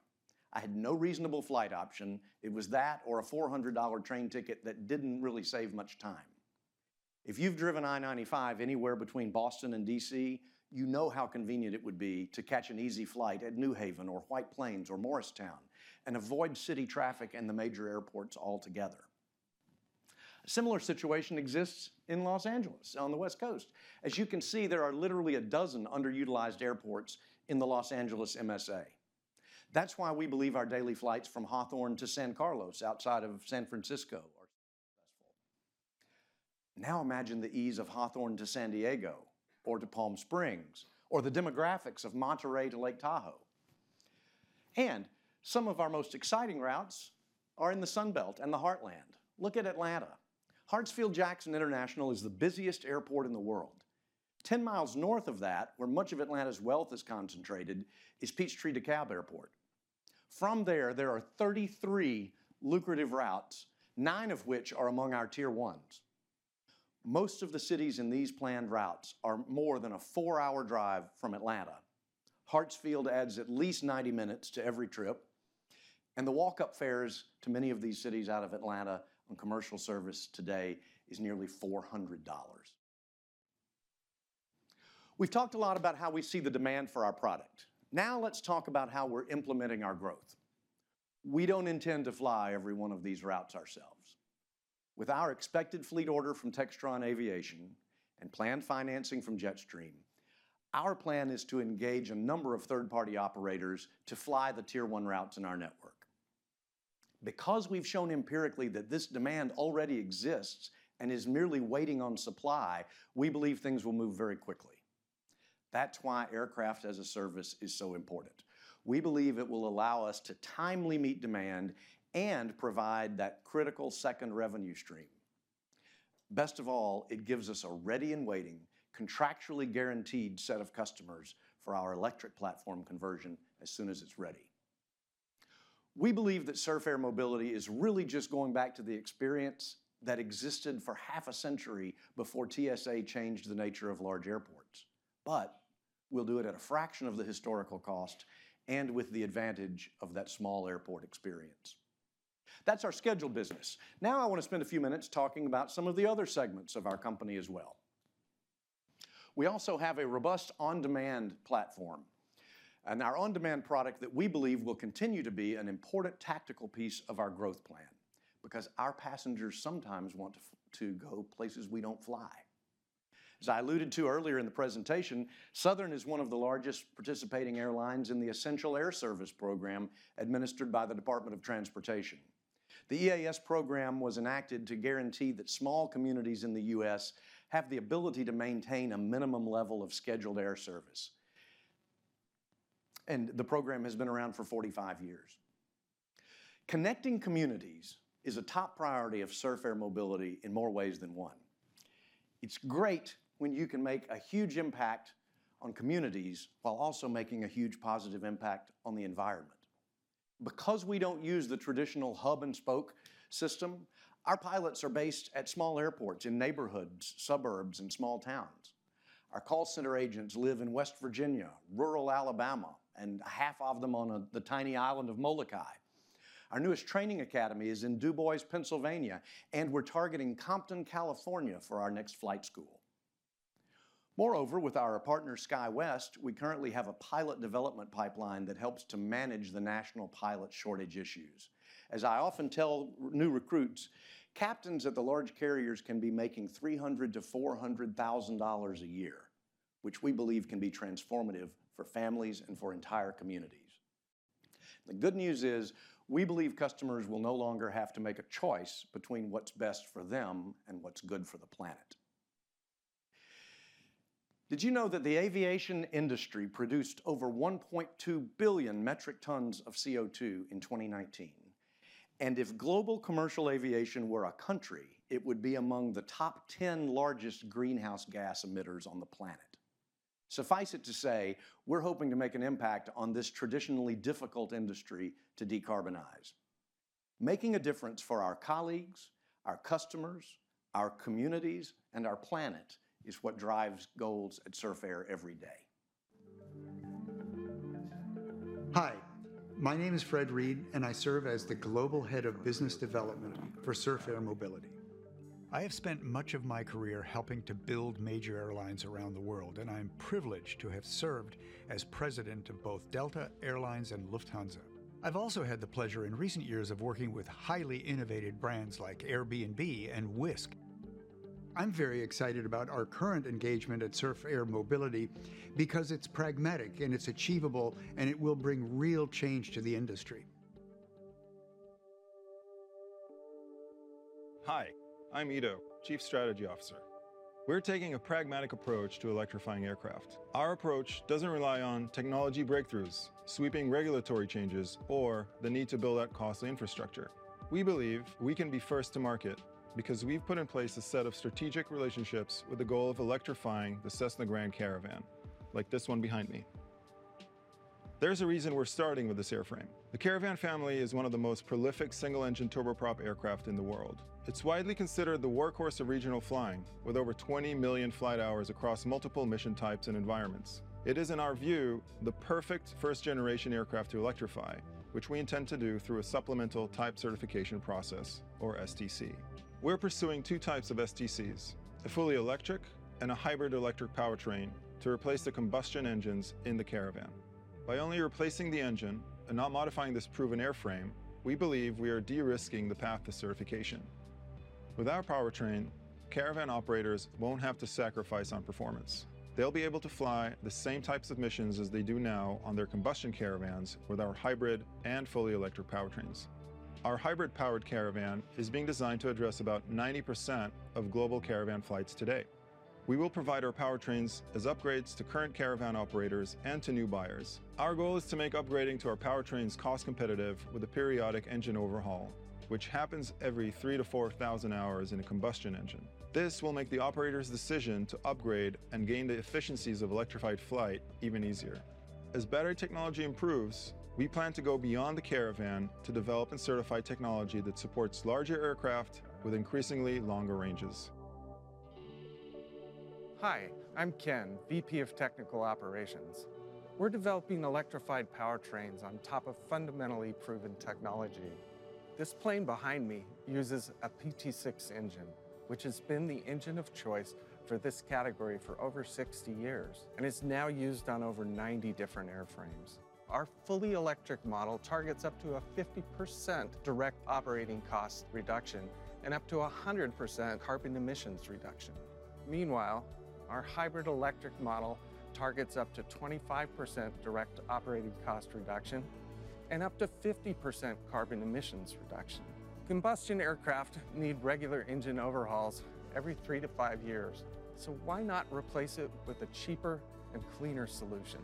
I had no reasonable flight option. It was that or a $400 train ticket that didn't really save much time. If you've driven I-95 anywhere between Boston and DC, you know how convenient it would be to catch an easy flight at New Haven or White Plains or Morristown and avoid city traffic and the major airports altogether. A similar situation exists in Los Angeles on the West Coast. As you can see, there are literally 12 underutilized airports in the Los Angeles MSA. That's why we believe our daily flights from Hawthorne to San Carlos, outside of San Francisco, are successful. Imagine the ease of Hawthorne to San Diego or to Palm Springs, or the demographics of Monterey to Lake Tahoe. Some of our most exciting routes are in the Sun Belt and the Heartland. Look at Atlanta. Hartsfield-Jackson International is the busiest airport in the world. 10 miles north of that, where much of Atlanta's wealth is concentrated, is Peachtree-DeKalb Airport. From there are 33 lucrative routes, 9 of which are among our Tier ones. Most of the cities in these planned routes are more than a 4-hour drive from Atlanta. Hartsfield adds at least 90 minutes to every trip, and the walk-up fares to many of these cities out of Atlanta on commercial service today is nearly $400. We've talked a lot about how we see the demand for our product. Let's talk about how we're implementing our growth. We don't intend to fly every one of these routes ourselves. With our expected fleet order from Textron Aviation and planned financing from Jetstream, our plan is to engage a number of third-party operators to fly the Tier one routes in our network. We've shown empirically that this demand already exists and is merely waiting on supply, we believe things will move very quickly. Aircraft as a Service is so important. We believe it will allow us to timely meet demand and provide that critical second revenue stream. Best of all, it gives us a ready-and-waiting, contractually guaranteed set of customers for our electric platform conversion as soon as it's ready. We believe that Surf Air Mobility is really just going back to the experience that existed for half a century before TSA changed the nature of large airports. We'll do it at a fraction of the historical cost and with the advantage of that small airport experience. That's our scheduled business. Now, I want to spend a few minutes talking about some of the other segments of our company as well. We also have a robust on-demand platform, and our on-demand product that we believe will continue to be an important tactical piece of our growth plan because our passengers sometimes want to go places we don't fly. As I alluded to earlier in the presentation, Southern is one of the largest participating airlines in the Essential Air Service program, administered by the Department of Transportation. The EAS program was enacted to guarantee that small communities in the U.S. have the ability to maintain a minimum level of scheduled air service, and the program has been around for 45 years. Connecting communities is a top priority of Surf Air Mobility in more ways than one. It's great when you can make a huge impact on communities while also making a huge positive impact on the environment. Because we don't use the traditional hub-and-spoke system, our pilots are based at small airports in neighborhoods, suburbs, and small towns. Our call center agents live in West Virginia, rural Alabama, and half of them on the tiny island of Molokai. Our newest training academy is in DuBois, Pennsylvania, and we're targeting Compton, California, for our next flight school. Moreover, with our partner, SkyWest, we currently have a pilot development pipeline that helps to manage the national pilot shortage issues. As I often tell new recruits, captains at the large carriers can be making $300,000-$400,000 a year, which we believe can be transformative for families and for entire communities. The good news is, we believe customers will no longer have to make a choice between what's best for them and what's good for the planet. Did you know that the aviation industry produced over 1.2 billion metric tons of CO2 in 2019? If global commercial aviation were a country, it would be among the top 10 largest greenhouse gas emitters on the planet. Suffice it to say, we're hoping to make an impact on this traditionally difficult industry to decarbonize. Making a difference for our colleagues, our customers, our communities, and our planet is what drives goals at Surf Air every day. Hi, my name is Fred Reid. I serve as the Global Head of Business Development for Surf Air Mobility. I have spent much of my career helping to build major airlines around the world. I am privileged to have served as President of both Delta Air Lines and Lufthansa. I've also had the pleasure in recent years of working with highly innovative brands like Airbnb and Wisk. I'm very excited about our current engagement at Surf Air Mobility because it's pragmatic and it's achievable, and it will bring real change to the industry. Hi, I'm Ido, Chief Strategy Officer. We're taking a pragmatic approach to electrifying aircraft. Our approach doesn't rely on technology breakthroughs, sweeping regulatory changes, or the need to build out costly infrastructure. We believe we can be first to market because we've put in place a set of strategic relationships with the goal of electrifying the Cessna Grand Caravan, like this one behind me... There's a reason we're starting with this airframe. The Caravan family is one of the most prolific single-engine turboprop aircraft in the world. It's widely considered the workhorse of regional flying, with over 20 million flight hours across multiple mission types and environments. It is, in our view, the perfect first-generation aircraft to electrify, which we intend to do through a supplemental type certificate process, or STC. We're pursuing 2 types of STCs: a fully electric and a hybrid electric powertrain to replace the combustion engines in the Caravan. By only replacing the engine and not modifying this proven airframe, we believe we are de-risking the path to certification. With our powertrain, Caravan operators won't have to sacrifice on performance. They'll be able to fly the same types of missions as they do now on their combustion Caravans with our hybrid and fully electric powertrains. Our hybrid-powered Caravan is being designed to address about 90% of global Caravan flights today. We will provide our powertrains as upgrades to current Caravan operators and to new buyers. Our goal is to make upgrading to our powertrains cost-competitive with a periodic engine overhaul, which happens every 3,000-4,000 hours in a combustion engine. This will make the operator's decision to upgrade and gain the efficiencies of electrified flight even easier. As battery technology improves, we plan to go beyond the Caravan to develop and certify technology that supports larger aircraft with increasingly longer ranges. Hi, I'm Ken, VP of Technical Operations. We're developing electrified powertrains on top of fundamentally proven technology. This plane behind me uses a PT6 engine, which has been the engine of choice for this category for over 60 years, and it's now used on over 90 different airframes. Our fully electric model targets up to a 50% direct operating cost reduction and up to 100% carbon emissions reduction. Meanwhile, our hybrid electric model targets up to 25% direct operating cost reduction and up to 50% carbon emissions reduction. Combustion aircraft need regular engine overhauls every three to five years, so why not replace it with a cheaper and cleaner solution?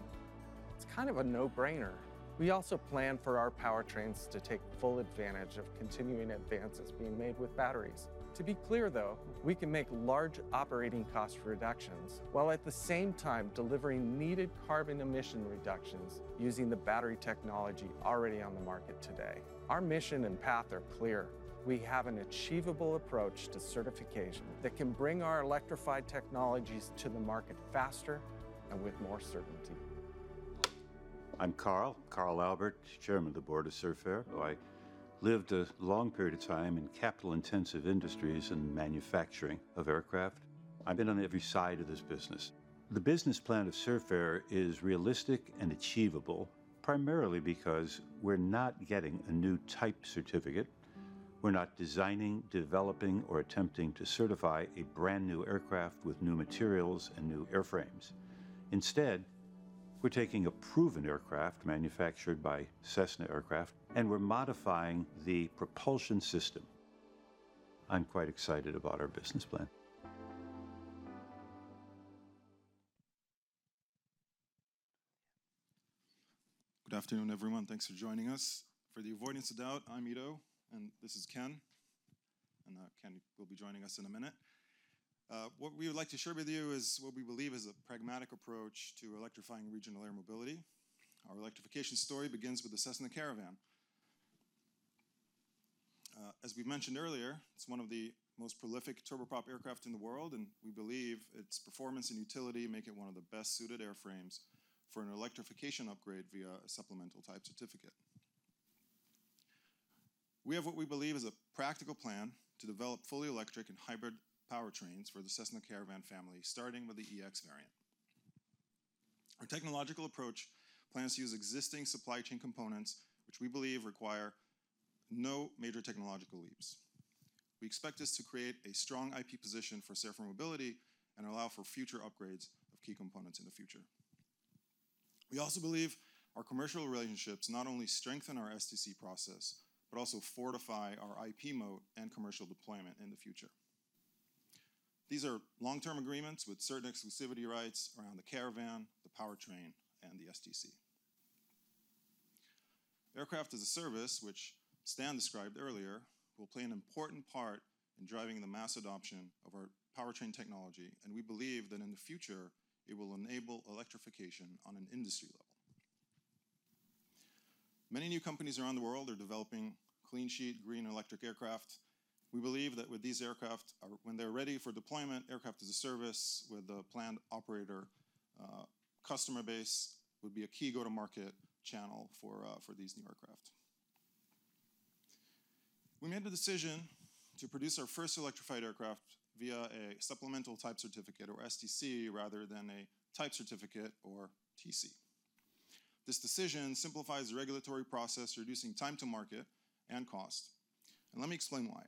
It's kind of a no-brainer. We also plan for our powertrains to take full advantage of continuing advances being made with batteries. To be clear, though, we can make large operating cost reductions while at the same time delivering needed carbon emission reductions using the battery technology already on the market today. Our mission and path are clear. We have an achievable approach to certification that can bring our electrified technologies to the market faster and with more certainty. I'm Carl Albert, Chairman of the Board of Surf Air Mobility. I lived a long period of time in capital-intensive industries and manufacturing of aircraft. I've been on every side of this business. The business plan of Surf Air Mobility is realistic and achievable, primarily because we're not getting a new type certificate. We're not designing, developing, or attempting to certify a brand-new aircraft with new materials and new airframes. Instead, we're taking a proven aircraft manufactured by Cessna Aircraft Company, and we're modifying the propulsion system. I'm quite excited about our business plan. Good afternoon, everyone. Thanks for joining us. For the avoidance of doubt, I'm Ido, and this is Ken will be joining us in a minute. What we would like to share with you is what we believe is a pragmatic approach to electrifying regional air mobility. Our electrification story begins with the Cessna Caravan. As we mentioned earlier, it's one of the most prolific turboprop aircraft in the world, and we believe its performance and utility make it one of the best-suited airframes for an electrification upgrade via a supplemental type certificate. We have what we believe is a practical plan to develop fully electric and hybrid powertrains for the Cessna Caravan family, starting with the EX variant. Our technological approach plans to use existing supply chain components, which we believe require no major technological leaps. We expect this to create a strong IP position for Surf Air Mobility and allow for future upgrades of key components in the future. We also believe our commercial relationships not only strengthen our STC process, but also fortify our IP moat and commercial deployment in the future. These are long-term agreements with certain exclusivity rights around the Caravan, the powertrain, and the STC. Aircraft as a Service, which Stan described earlier, will play an important part in driving the mass adoption of our powertrain technology, and we believe that in the future, it will enable electrification on an industry level. Many new companies around the world are developing clean sheet, green electric aircraft. We believe that with these aircraft, when they're ready for deployment, Aircraft as a Service with a planned operator, customer base, would be a key go-to-market channel for these new aircraft. We made the decision to produce our first electrified aircraft via a supplemental type certificate or STC, rather than a type certificate or TC. This decision simplifies the regulatory process, reducing time to market and cost. Let me explain why.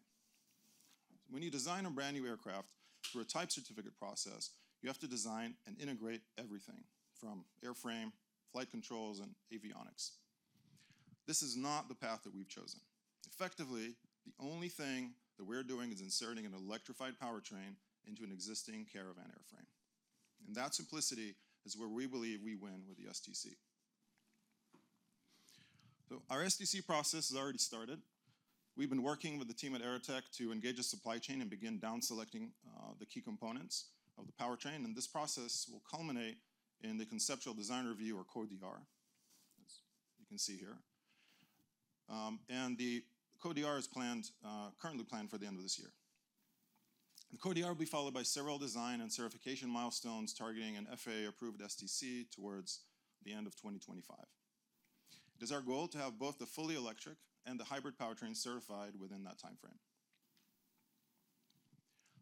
When you design a brand-new aircraft through a type certificate process, you have to design and integrate everything from airframe, flight controls, and avionics. This is not the path that we've chosen. Effectively, the only thing that we're doing is inserting an electrified powertrain into an existing Caravan airframe, and that simplicity is where we believe we win with the STC. Our STC process has already started. We've been working with the team at AeroTEC to engage the supply chain and begin down selecting the key components of the powertrain, and this process will culminate in the conceptual design review or CoDR, as you can see here. The CoDR is planned, currently planned for the end of this year. The CoDR will be followed by several design and certification milestones targeting an FAA-approved STC towards the end of 2025. It is our goal to have both the fully electric and the hybrid powertrains certified within that timeframe.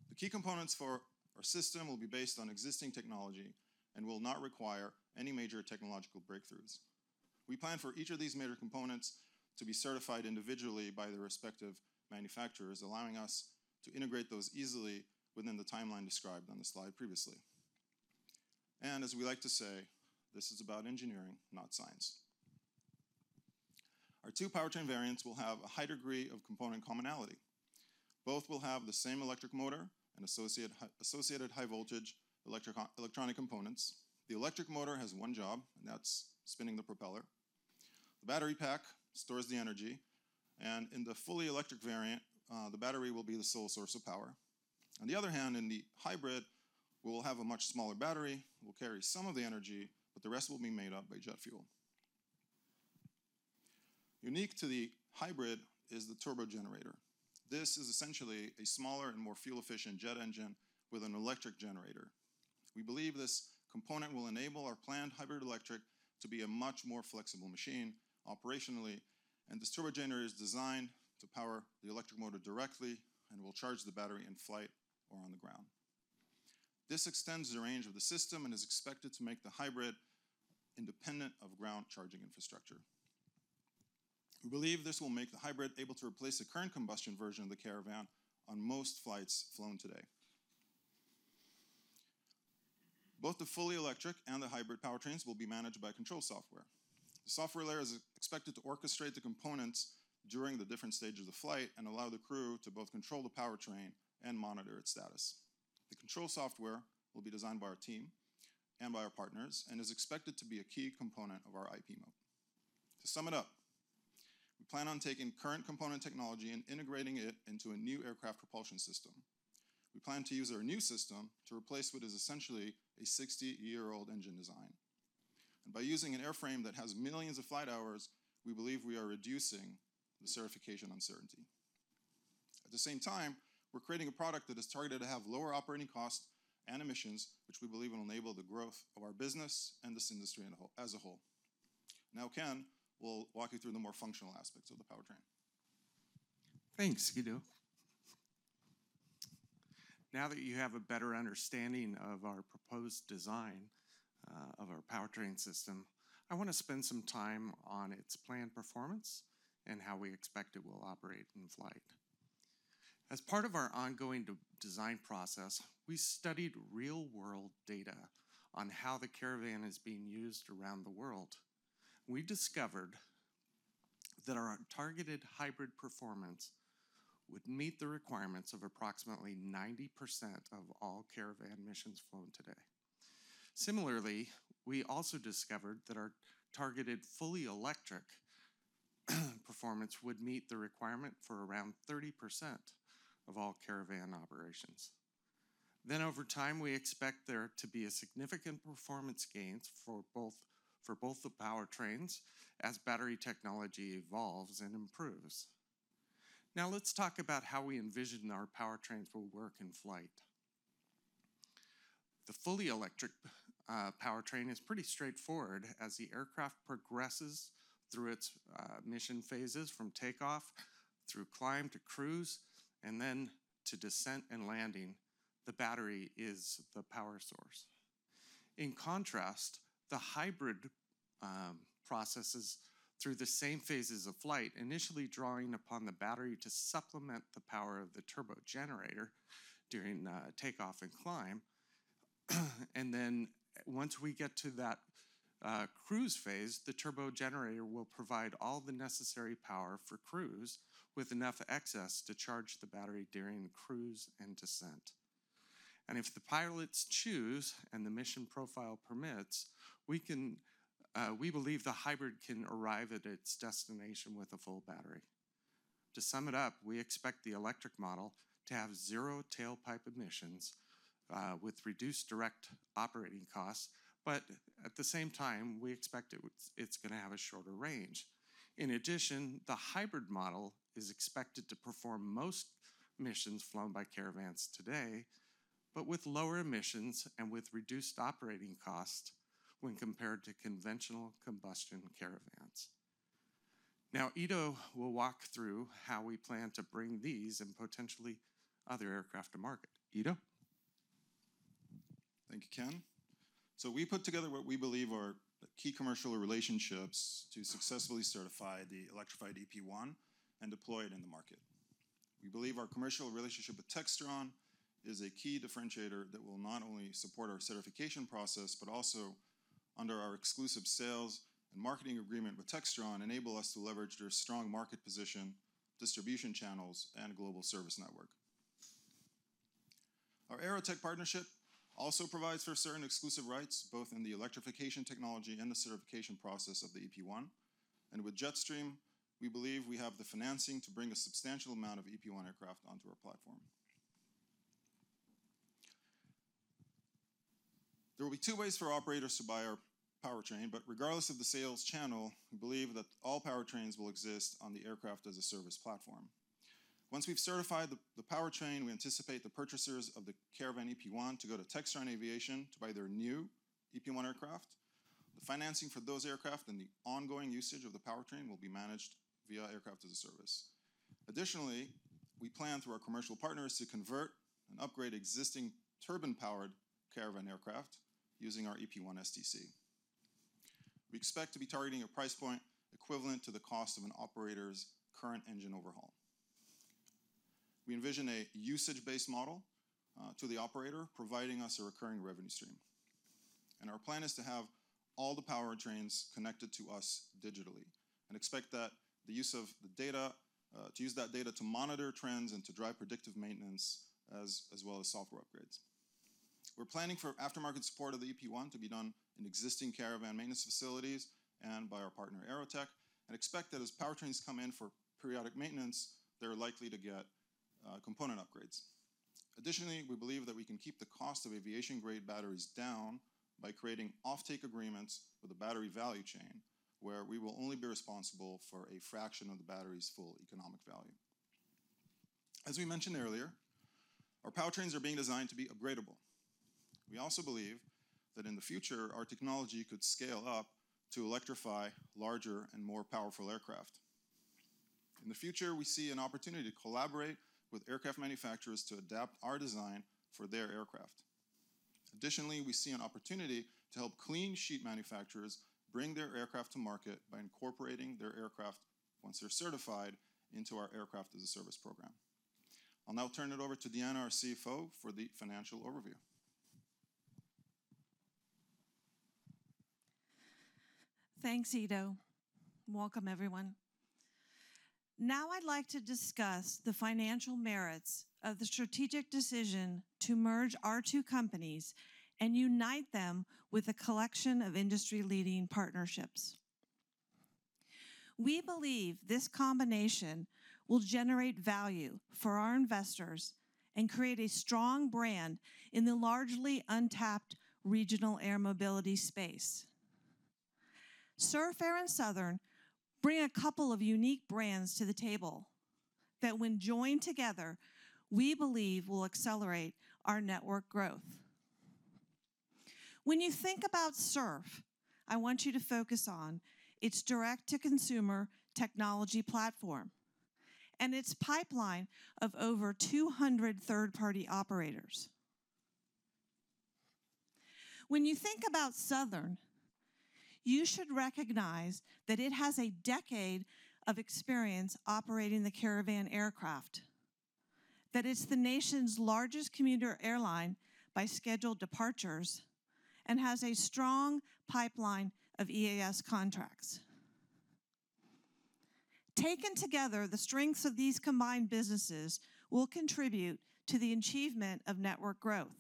The key components for our system will be based on existing technology and will not require any major technological breakthroughs. We plan for each of these major components to be certified individually by their respective manufacturers, allowing us to integrate those easily within the timeline described on the slide previously. As we like to say, this is about engineering, not science. Our two powertrain variants will have a high degree of component commonality. Both will have the same electric motor and associated high-voltage electronic components. The electric motor has one job, and that's spinning the propeller. The battery pack stores the energy, and in the fully electric variant, the battery will be the sole source of power. On the other hand, in the hybrid, we'll have a much smaller battery, will carry some of the energy. The rest will be made up by jet fuel. Unique to the hybrid is the turbogenerator. This is essentially a smaller and more fuel-efficient jet engine with an electric generator. We believe this component will enable our planned hybrid electric to be a much more flexible machine operationally, and this turbogenerator is designed to power the electric motor directly and will charge the battery in flight or on the ground. This extends the range of the system and is expected to make the hybrid independent of ground charging infrastructure. We believe this will make the hybrid able to replace the current combustion version of the Caravan on most flights flown today. Both the fully electric and the hybrid powertrains will be managed by control software. The software layer is expected to orchestrate the components during the different stages of the flight and allow the crew to both control the powertrain and monitor its status. The control software will be designed by our team and by our partners and is expected to be a key component of our IP moat. To sum it up, we plan on taking current component technology and integrating it into a new aircraft propulsion system. We plan to use our new system to replace what is essentially a 60-year-old engine design. By using an airframe that has millions of flight hours, we believe we are reducing the certification uncertainty. At the same time, we're creating a product that is targeted to have lower operating costs and emissions, which we believe will enable the growth of our business and this industry as a whole. Now, Ken will walk you through the more functional aspects of the powertrain. Thanks, Ido. Now that you have a better understanding of our proposed design of our powertrain system, I wanna spend some time on its planned performance and how we expect it will operate in flight. As part of our ongoing design process, we studied real-world data on how the Caravan is being used around the world. We discovered that our targeted hybrid performance would meet the requirements of approximately 90% of all Caravan missions flown today. We also discovered that our targeted fully electric, performance would meet the requirement for around 30% of all Caravan operations. Over time, we expect there to be a significant performance gains for both the powertrains as battery technology evolves and improves. Let's talk about how we envision our powertrains will work in flight. The fully electric powertrain is pretty straightforward. As the aircraft progresses through its mission phases, from takeoff through climb to cruise, and then to descent and landing, the battery is the power source. In contrast, the hybrid processes through the same phases of flight, initially drawing upon the battery to supplement the power of the turbogenerator during takeoff and climb. Once we get to that cruise phase, the turbogenerator will provide all the necessary power for cruise, with enough excess to charge the battery during cruise and descent. If the pilots choose, and the mission profile permits, we believe the hybrid can arrive at its destination with a full battery. To sum it up, we expect the electric model to have zero tailpipe emissions, with reduced direct operating costs, but at the same time, we expect it's gonna have a shorter range. In addition, the hybrid model is expected to perform most missions flown by Caravans today, but with lower emissions and with reduced operating costs when compared to conventional combustion Caravans. Now, Ido will walk through how we plan to bring these and potentially other aircraft to market. Ido? Thank you, Ken. We put together what we believe are key commercial relationships to successfully certify the electrified EP1 and deploy it in the market. We believe our commercial relationship with Textron is a key differentiator that will not only support our certification process, but also, under our exclusive sales and marketing agreement with Textron, enable us to leverage their strong market position, distribution channels, and global service network. Our AeroTEC partnership also provides for certain exclusive rights, both in the electrification technology and the certification process of the EP1. With Jetstream, we believe we have the financing to bring a substantial amount of EP1 aircraft onto our platform. There will be two ways for operators to buy our powertrain, but regardless of the sales channel, we believe that all powertrains will exist on the Aircraft as a Service platform. Once we've certified the powertrain, we anticipate the purchasers of the Caravan EP1 to go to Textron Aviation to buy their new EP1 aircraft. The financing for those aircraft and the ongoing usage of the powertrain will be managed via Aircraft as a Service. Additionally, we plan through our commercial partners to convert and upgrade existing turbine-powered Caravan aircraft using our EP1 STC. We expect to be targeting a price point equivalent to the cost of an operator's current engine overhaul. We envision a usage-based model to the operator, providing us a recurring revenue stream. Our plan is to have all the powertrains connected to us digitally and expect that the use of the data to use that data to monitor trends and to drive predictive maintenance as well as software upgrades. We're planning for aftermarket support of the EP1 to be done in existing Caravan maintenance facilities and by our partner, AeroTEC, and expect that as powertrains come in for periodic maintenance, they're likely to get component upgrades. We believe that we can keep the cost of aviation-grade batteries down by creating offtake agreements with the battery value chain, where we will only be responsible for a fraction of the battery's full economic value. As we mentioned earlier, our powertrains are being designed to be upgradable. We also believe that in the future, our technology could scale up to electrify larger and more powerful aircraft. In the future, we see an opportunity to collaborate with aircraft manufacturers to adapt our design for their aircraft. Additionally, we see an opportunity to help clean sheet manufacturers bring their aircraft to market by incorporating their aircraft, once they're certified, into our Aircraft as a Service program. I'll now turn it over to Deanna, our CFO, for the financial overview. Thanks, Ido. Welcome, everyone. Now I'd like to discuss the financial merits of the strategic decision to merge our two companies and unite them with a collection of industry-leading partnerships. We believe this combination will generate value for our investors and create a strong brand in the largely untapped regional air mobility space. Surf Air and Southern bring a couple of unique brands to the table that, when joined together, we believe will accelerate our network growth. When you think about Surf, I want you to focus on its direct-to-consumer technology platform and its pipeline of over 200 third-party operators. When you think about Southern, you should recognize that it has a decade of experience operating the Caravan aircraft, that it's the nation's largest commuter airline by scheduled departures, and has a strong pipeline of EAS contracts. Taken together, the strengths of these combined businesses will contribute to the achievement of network growth.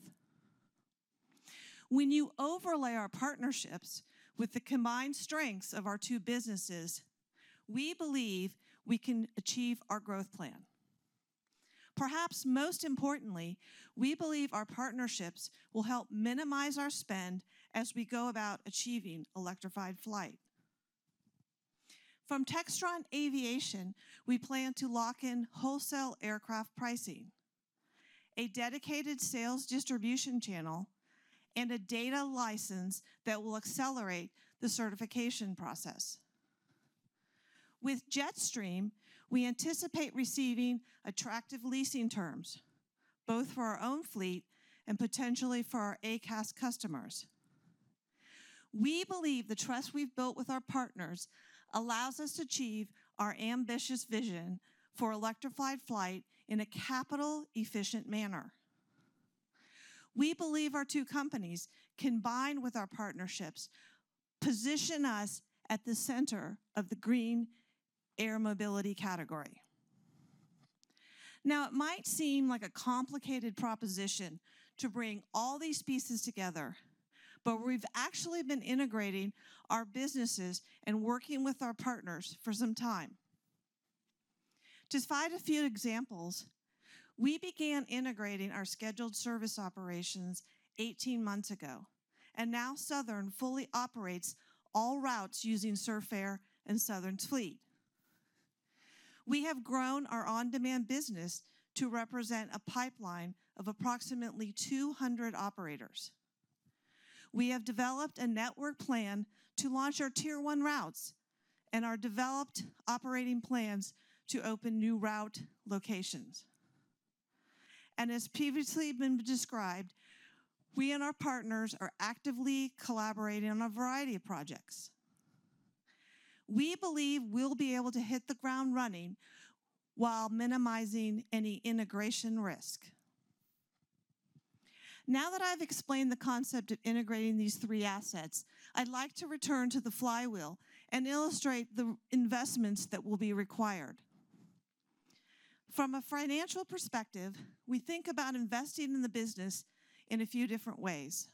When you overlay our partnerships with the combined strengths of our two businesses, we believe we can achieve our growth plan. Perhaps most importantly, we believe our partnerships will help minimize our spend as we go about achieving electrified flight. From Textron Aviation, we plan to lock in wholesale aircraft pricing, a dedicated sales distribution channel, and a data license that will accelerate the certification process. With Jetstream, we anticipate receiving attractive leasing terms, both for our own fleet and potentially for our AaaS customers. We believe the trust we've built with our partners allows us to achieve our ambitious vision for electrified flight in a capital-efficient manner. We believe our two companies, combined with our partnerships, position us at the center of the green air mobility category. It might seem like a complicated proposition to bring all these pieces together, but we've actually been integrating our businesses and working with our partners for some time. To cite a few examples, we began integrating our scheduled service operations 18 months ago, and now Southern fully operates all routes using Surf Air and Southern's fleet. We have grown our on-demand business to represent a pipeline of approximately 200 operators. We have developed a network plan to launch our Tier one routes and our developed operating plans to open new route locations. As previously been described, we and our partners are actively collaborating on a variety of projects. We believe we'll be able to hit the ground running while minimizing any integration risk. Now that I've explained the concept of integrating these three assets, I'd like to return to the flywheel and illustrate the investments that will be required. From a financial perspective, we think about investing in the business in a few different ways.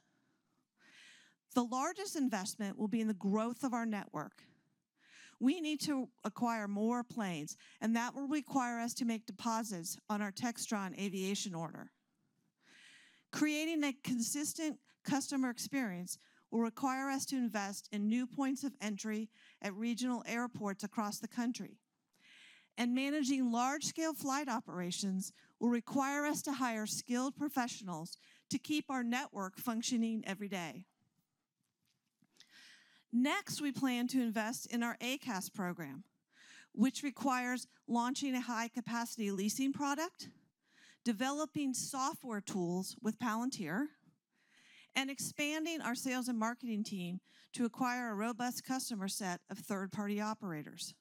The largest investment will be in the growth of our network. We need to acquire more planes, and that will require us to make deposits on our Textron Aviation order. Creating a consistent customer experience will require us to invest in new points of entry at regional airports across the country, and managing large-scale flight operations will require us to hire skilled professionals to keep our network functioning every day. Next, we plan to invest in our AaaS program, which requires launching a high-capacity leasing product, developing software tools with Palantir, and expanding our sales and marketing team to acquire a robust customer set of third-party operators.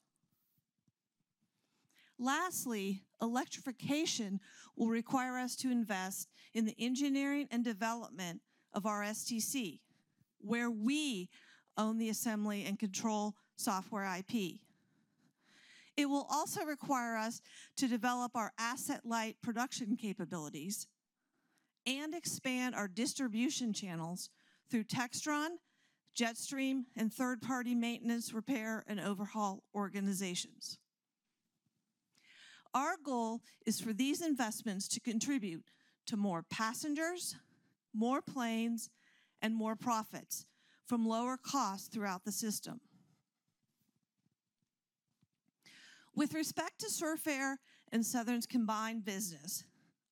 Lastly, electrification will require us to invest in the engineering and development of our STC, where we own the assembly and control software IP. It will also require us to develop our asset-light production capabilities and expand our distribution channels through Textron, Jetstream, and third-party maintenance, repair, and overhaul organizations. Our goal is for these investments to contribute to more passengers, more planes, and more profits from lower costs throughout the system. With respect to Surf Air and Southern's combined business,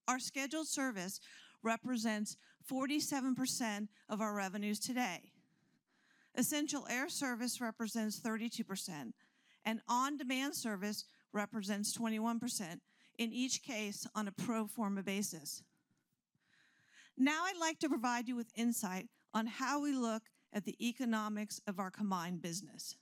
our scheduled service represents 47% of our revenues today. Essential Air Service represents 32%, and on-demand service represents 21%, in each case on a pro forma basis. I'd like to provide you with insight on how we look at the economics of our combined business.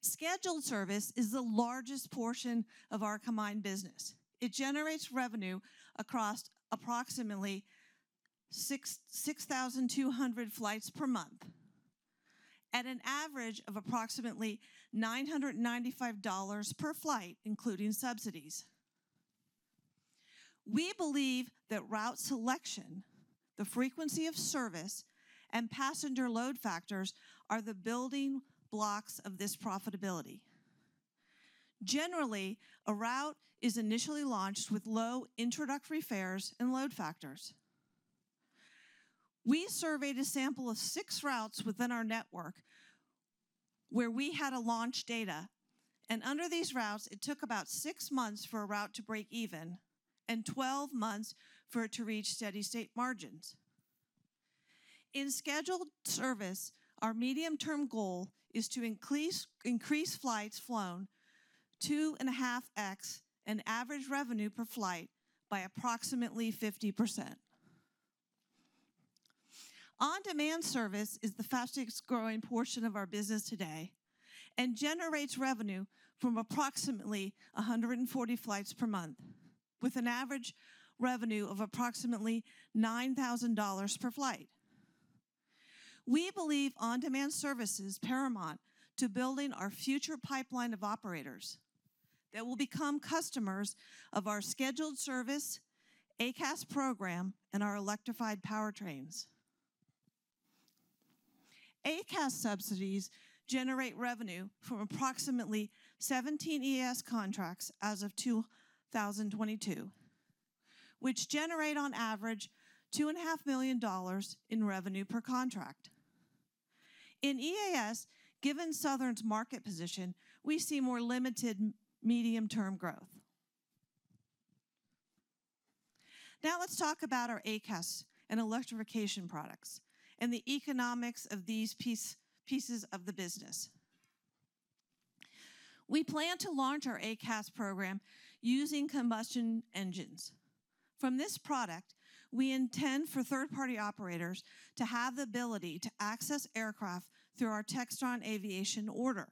Scheduled service is the largest portion of our combined business. It generates revenue across approximately 6,200 flights per month, at an average of approximately $995 per flight, including subsidies. We believe that route selection, the frequency of service, and passenger load factors are the building blocks of this profitability. Generally, a route is initially launched with low introductory fares and load factors. We surveyed a sample of 6 routes within our network where we had a launch data. Under these routes, it took about 6 months for a route to break even and 12 months for it to reach steady state margins. In scheduled service, our medium-term goal is to increase flights flown 2.5x and average revenue per flight by approximately 50%. On-demand service is the fastest growing portion of our business today and generates revenue from approximately 140 flights per month, with an average revenue of approximately $9,000 per flight. We believe on-demand service is paramount to building our future pipeline of operators that will become customers of our scheduled service, AaaS program, and our electrified powertrains. AaaS subsidies generate revenue from approximately 17 EAS contracts as of 2022, which generate on average two and a half million dollars in revenue per contract. In EAS, given Southern's market position, we see more limited medium-term growth. Let's talk about our AaaS and electrification products and the economics of these pieces of the business. We plan to launch our AaaS program using combustion engines. From this product, we intend for third-party operators to have the ability to access aircraft through our Textron Aviation order,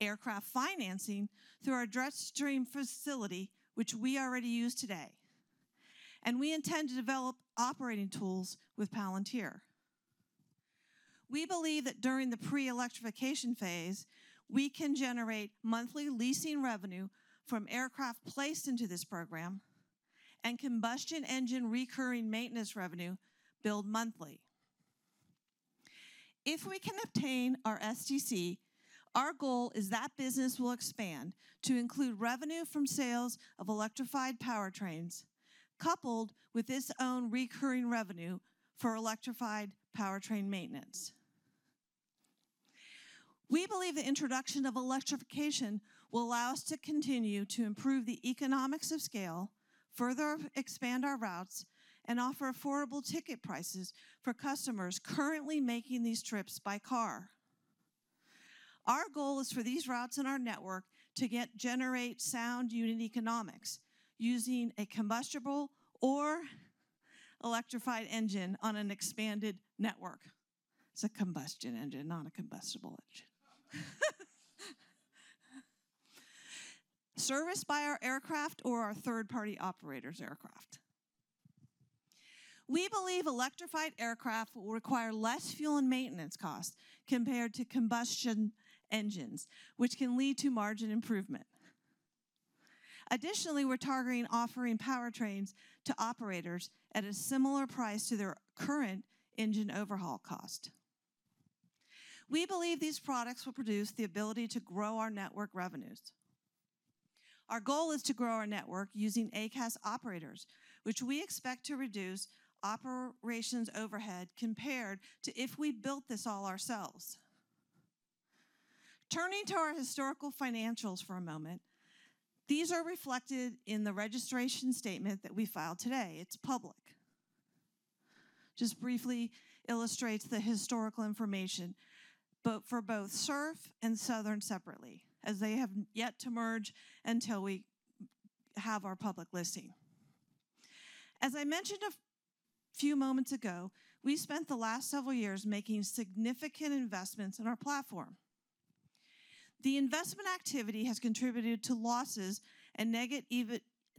aircraft financing through our Jetstream facility, which we already use today, and we intend to develop operating tools with Palantir. We believe that during the pre-electrification phase, we can generate monthly leasing revenue from aircraft placed into this program and combustion engine recurring maintenance revenue billed monthly. If we can obtain our STC, our goal is that business will expand to include revenue from sales of electrified powertrains, coupled with its own recurring revenue for electrified powertrain maintenance. We believe the introduction of electrification will allow us to continue to improve the economics of scale, further expand our routes, and offer affordable ticket prices for customers currently making these trips by car. Our goal is for these routes in our network to generate sound unit economics using a combustible or electrified engine on an expanded network. It's a combustion engine, not a combustible engine. Serviced by our aircraft or our third-party operators' aircraft? We believe electrified aircraft will require less fuel and maintenance costs compared to combustion engines, which can lead to margin improvement. Additionally, we're targeting offering powertrains to operators at a similar price to their current engine overhaul cost. We believe these products will produce the ability to grow our network revenues. Our goal is to grow our network using AaaS operators, which we expect to reduce operations overhead compared to if we built this all ourselves. Turning to our historical financials for a moment, these are reflected in the registration statement that we filed today. It's public. Just briefly illustrates the historical information, but for both Surf and Southern separately, as they have yet to merge until we have our public listing. As I mentioned a few moments ago, we spent the last several years making significant investments in our platform. The investment activity has contributed to losses and negative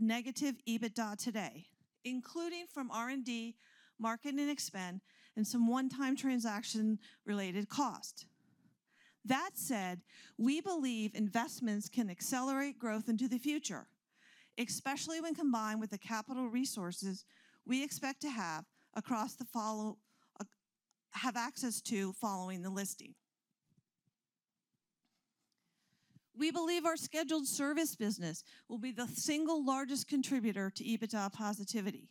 EBITDA today, including from R&D, marketing and expansion, and some one-time transaction-related cost. That said, we believe investments can accelerate growth into the future, especially when combined with the capital resources we expect to have access to following the listing. We believe our scheduled service business will be the single largest contributor to EBITDA positivity.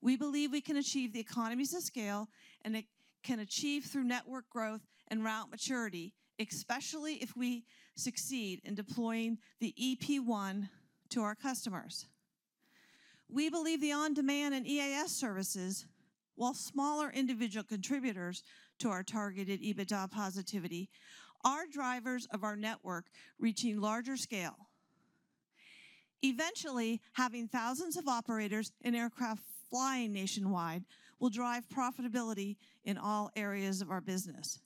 We believe we can achieve the economies of scale, and it can achieve through network growth and route maturity, especially if we succeed in deploying the EP1 to our customers. We believe the on-demand and EAS services, while smaller individual contributors to our targeted EBITDA positivity, are drivers of our network reaching larger scale. Eventually, having thousands of operators and aircraft flying nationwide will drive profitability in all areas of our business.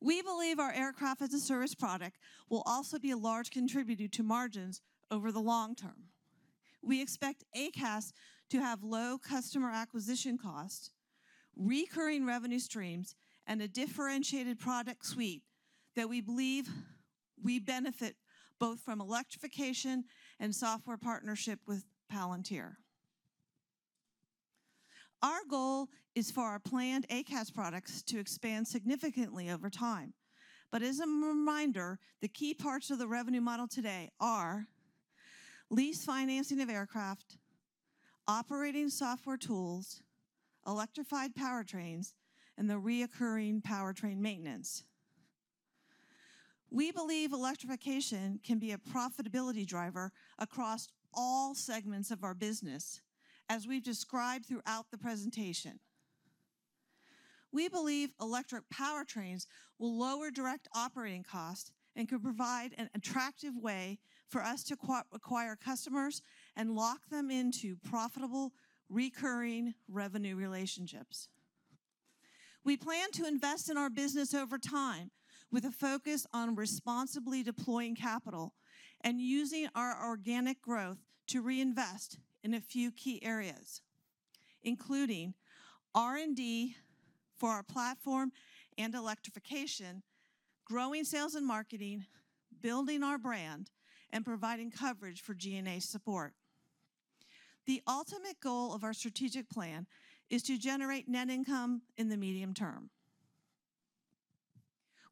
We believe our Aircraft as a Service product will also be a large contributor to margins over the long term. We expect AaaS to have low customer acquisition costs, recurring revenue streams, and a differentiated product suite that we believe will benefit both from electrification and software partnership with Palantir. Our goal is for our planned AaaS products to expand significantly over time. As a reminder, the key parts of the revenue model today are: lease financing of aircraft, operating software tools, electrified powertrains, and the recurring powertrain maintenance. We believe electrification can be a profitability driver across all segments of our business, as we've described throughout the presentation. We believe electric powertrains will lower direct operating costs and could provide an attractive way for us to acquire customers and lock them into profitable, recurring revenue relationships. We plan to invest in our business over time, with a focus on responsibly deploying capital and using our organic growth to reinvest in a few key areas, including R&D for our platform and electrification, growing sales and marketing, building our brand, and providing coverage for G&A support. The ultimate goal of our strategic plan is to generate net income in the medium term.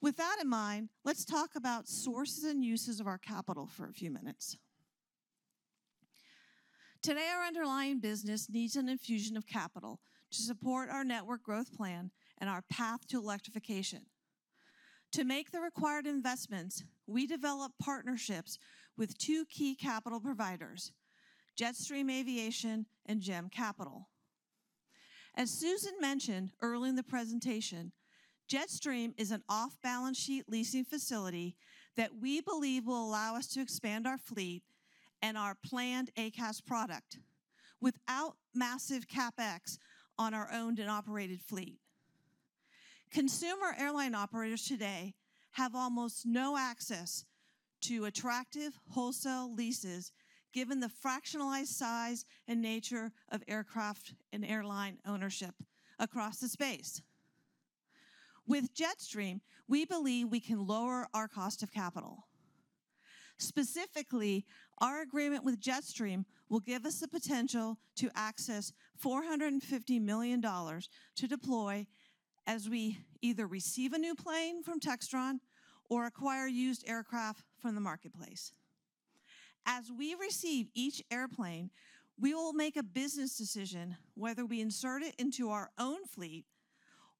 With that in mind, let's talk about sources and uses of our capital for a few minutes. Today, our underlying business needs an infusion of capital to support our network growth plan and our path to electrification. To make the required investments, we developed partnerships with two key capital providers, Jetstream Aviation and GEM Capital. As Susan mentioned early in the presentation, Jetstream is an off-balance sheet leasing facility that we believe will allow us to expand our fleet and our planned AaaS product without massive CapEx on our owned and operated fleet. Consumer airline operators today have almost no access to attractive wholesale leases, given the fractionalized size and nature of aircraft and airline ownership across the space. With Jetstream, we believe we can lower our cost of capital. Specifically, our agreement with Jetstream will give us the potential to access $450 million to deploy as we either receive a new plane from Textron or acquire used aircraft from the marketplace. As we receive each airplane, we will make a business decision whether we insert it into our own fleet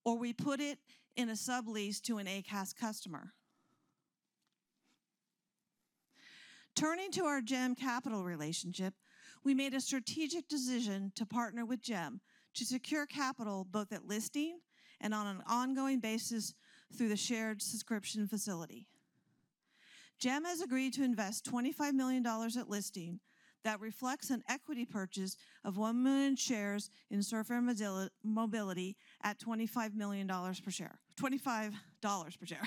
or we put it in a sublease to an ACAS customer. Turning to our GEM capital relationship, we made a strategic decision to partner with GEM to secure capital both at listing and on an ongoing basis through the Share Subscription Facility. GEM has agreed to invest $25 million at listing that reflects an equity purchase of 1 million shares in Surf Air Mobility at $25 million per share $25 per share.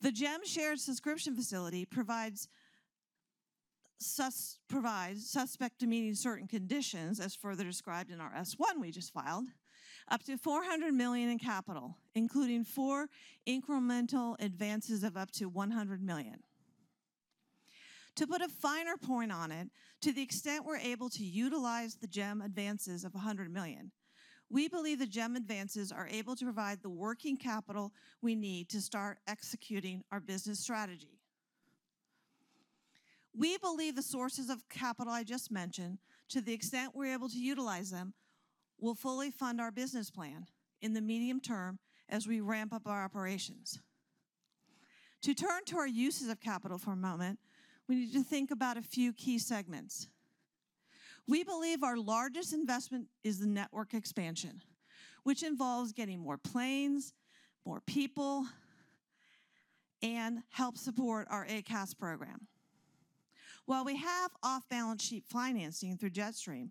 The GEM Share Subscription Facility provides subject to meeting certain conditions, as further described in our S-1 we just filed, up to $400 million in capital, including 4 incremental advances of up to $100 million. To put a finer point on it, to the extent we're able to utilize the GEM advances of $100 million, we believe the GEM advances are able to provide the working capital we need to start executing our business strategy. We believe the sources of capital I just mentioned, to the extent we're able to utilize them, will fully fund our business plan in the medium term as we ramp up our operations. To turn to our uses of capital for a moment, we need to think about a few key segments. We believe our largest investment is the network expansion, which involves getting more planes, more people, and help support our AaaS program. While we have off-balance sheet financing through Jetstream,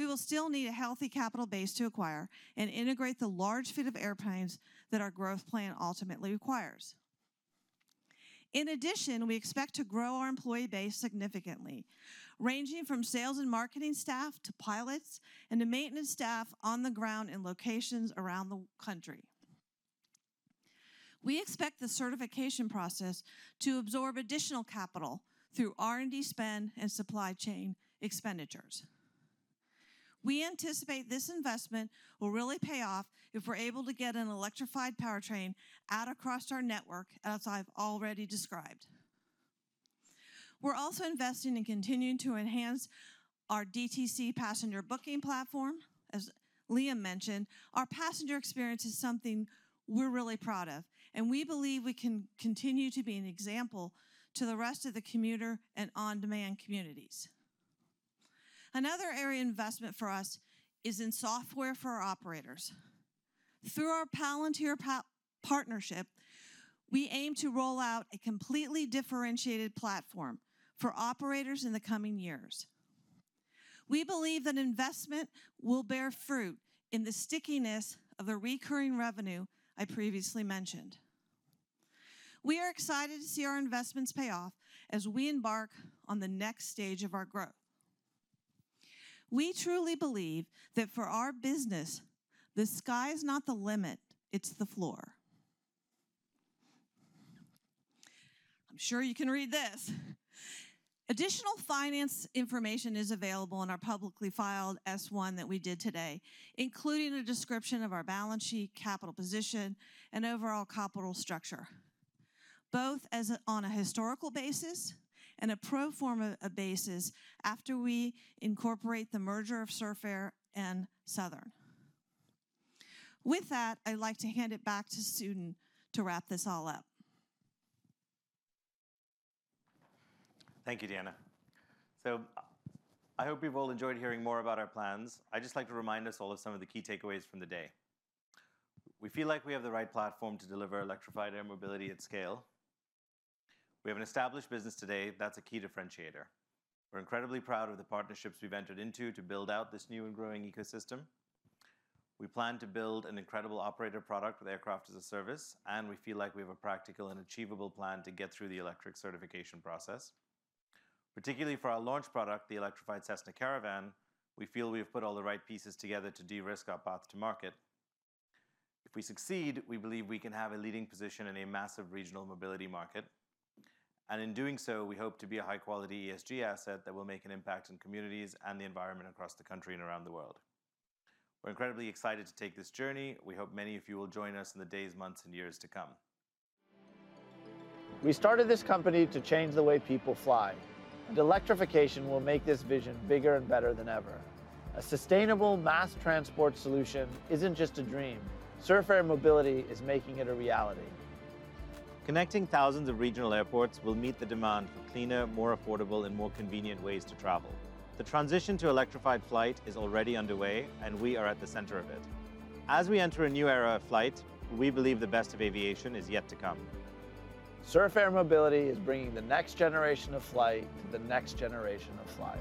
we will still need a healthy capital base to acquire and integrate the large fleet of airplanes that our growth plan ultimately requires. We expect to grow our employee base significantly, ranging from sales and marketing staff to pilots and to maintenance staff on the ground in locations around the country. We expect the certification process to absorb additional capital through R&D spend and supply chain expenditures. We anticipate this investment will really pay off if we're able to get an electrified powertrain out across our network, as I've already described. We're also investing in continuing to enhance our DTC passenger booking platform. As Liam mentioned, our passenger experience is something we're really proud of, and we believe we can continue to be an example to the rest of the commuter and on-demand communities. Another area of investment for us is in software for our operators. Through our Palantir partnership, we aim to roll out a completely differentiated platform for operators in the coming years. We believe that investment will bear fruit in the stickiness of the recurring revenue I previously mentioned. We are excited to see our investments pay off as we embark on the next stage of our growth. We truly believe that for our business, the sky is not the limit, it's the floor. I'm sure you can read this. Additional finance information is available in our publicly filed S-1 that we did today, including a description of our balance sheet, capital position, and overall capital structure, both on a historical basis and a pro forma basis after we incorporate the merger of Surf Air and Southern Airways. I'd like to hand it back to Sudhin to wrap this all up. Thank you, Deanna. I hope you've all enjoyed hearing more about our plans. I'd just like to remind us all of some of the key takeaways from the day. We feel like we have the right platform to deliver electrified air mobility at scale. We have an established business today that's a key differentiator. We're incredibly proud of the partnerships we've entered into to build out this new and growing ecosystem. We plan to build an incredible operator product with Aircraft as a Service, and we feel like we have a practical and achievable plan to get through the electric certification process. Particularly for our launch product, the electrified Cessna Caravan, we feel we've put all the right pieces together to de-risk our path to market. If we succeed, we believe we can have a leading position in a massive regional mobility market, and in doing so, we hope to be a high-quality ESG asset that will make an impact in communities and the environment across the country and around the world. We're incredibly excited to take this journey. We hope many of you will join us in the days, months, and years to come. We started this company to change the way people fly, and electrification will make this vision bigger and better than ever. A sustainable mass transport solution isn't just a dream. Surf Air Mobility is making it a reality. Connecting thousands of regional airports will meet the demand for cleaner, more affordable, and more convenient ways to travel. The transition to electrified flight is already underway, and we are at the center of it. As we enter a new era of flight, we believe the best of aviation is yet to come. Surf Air Mobility is bringing the next generation of flight to the next generation of flyer.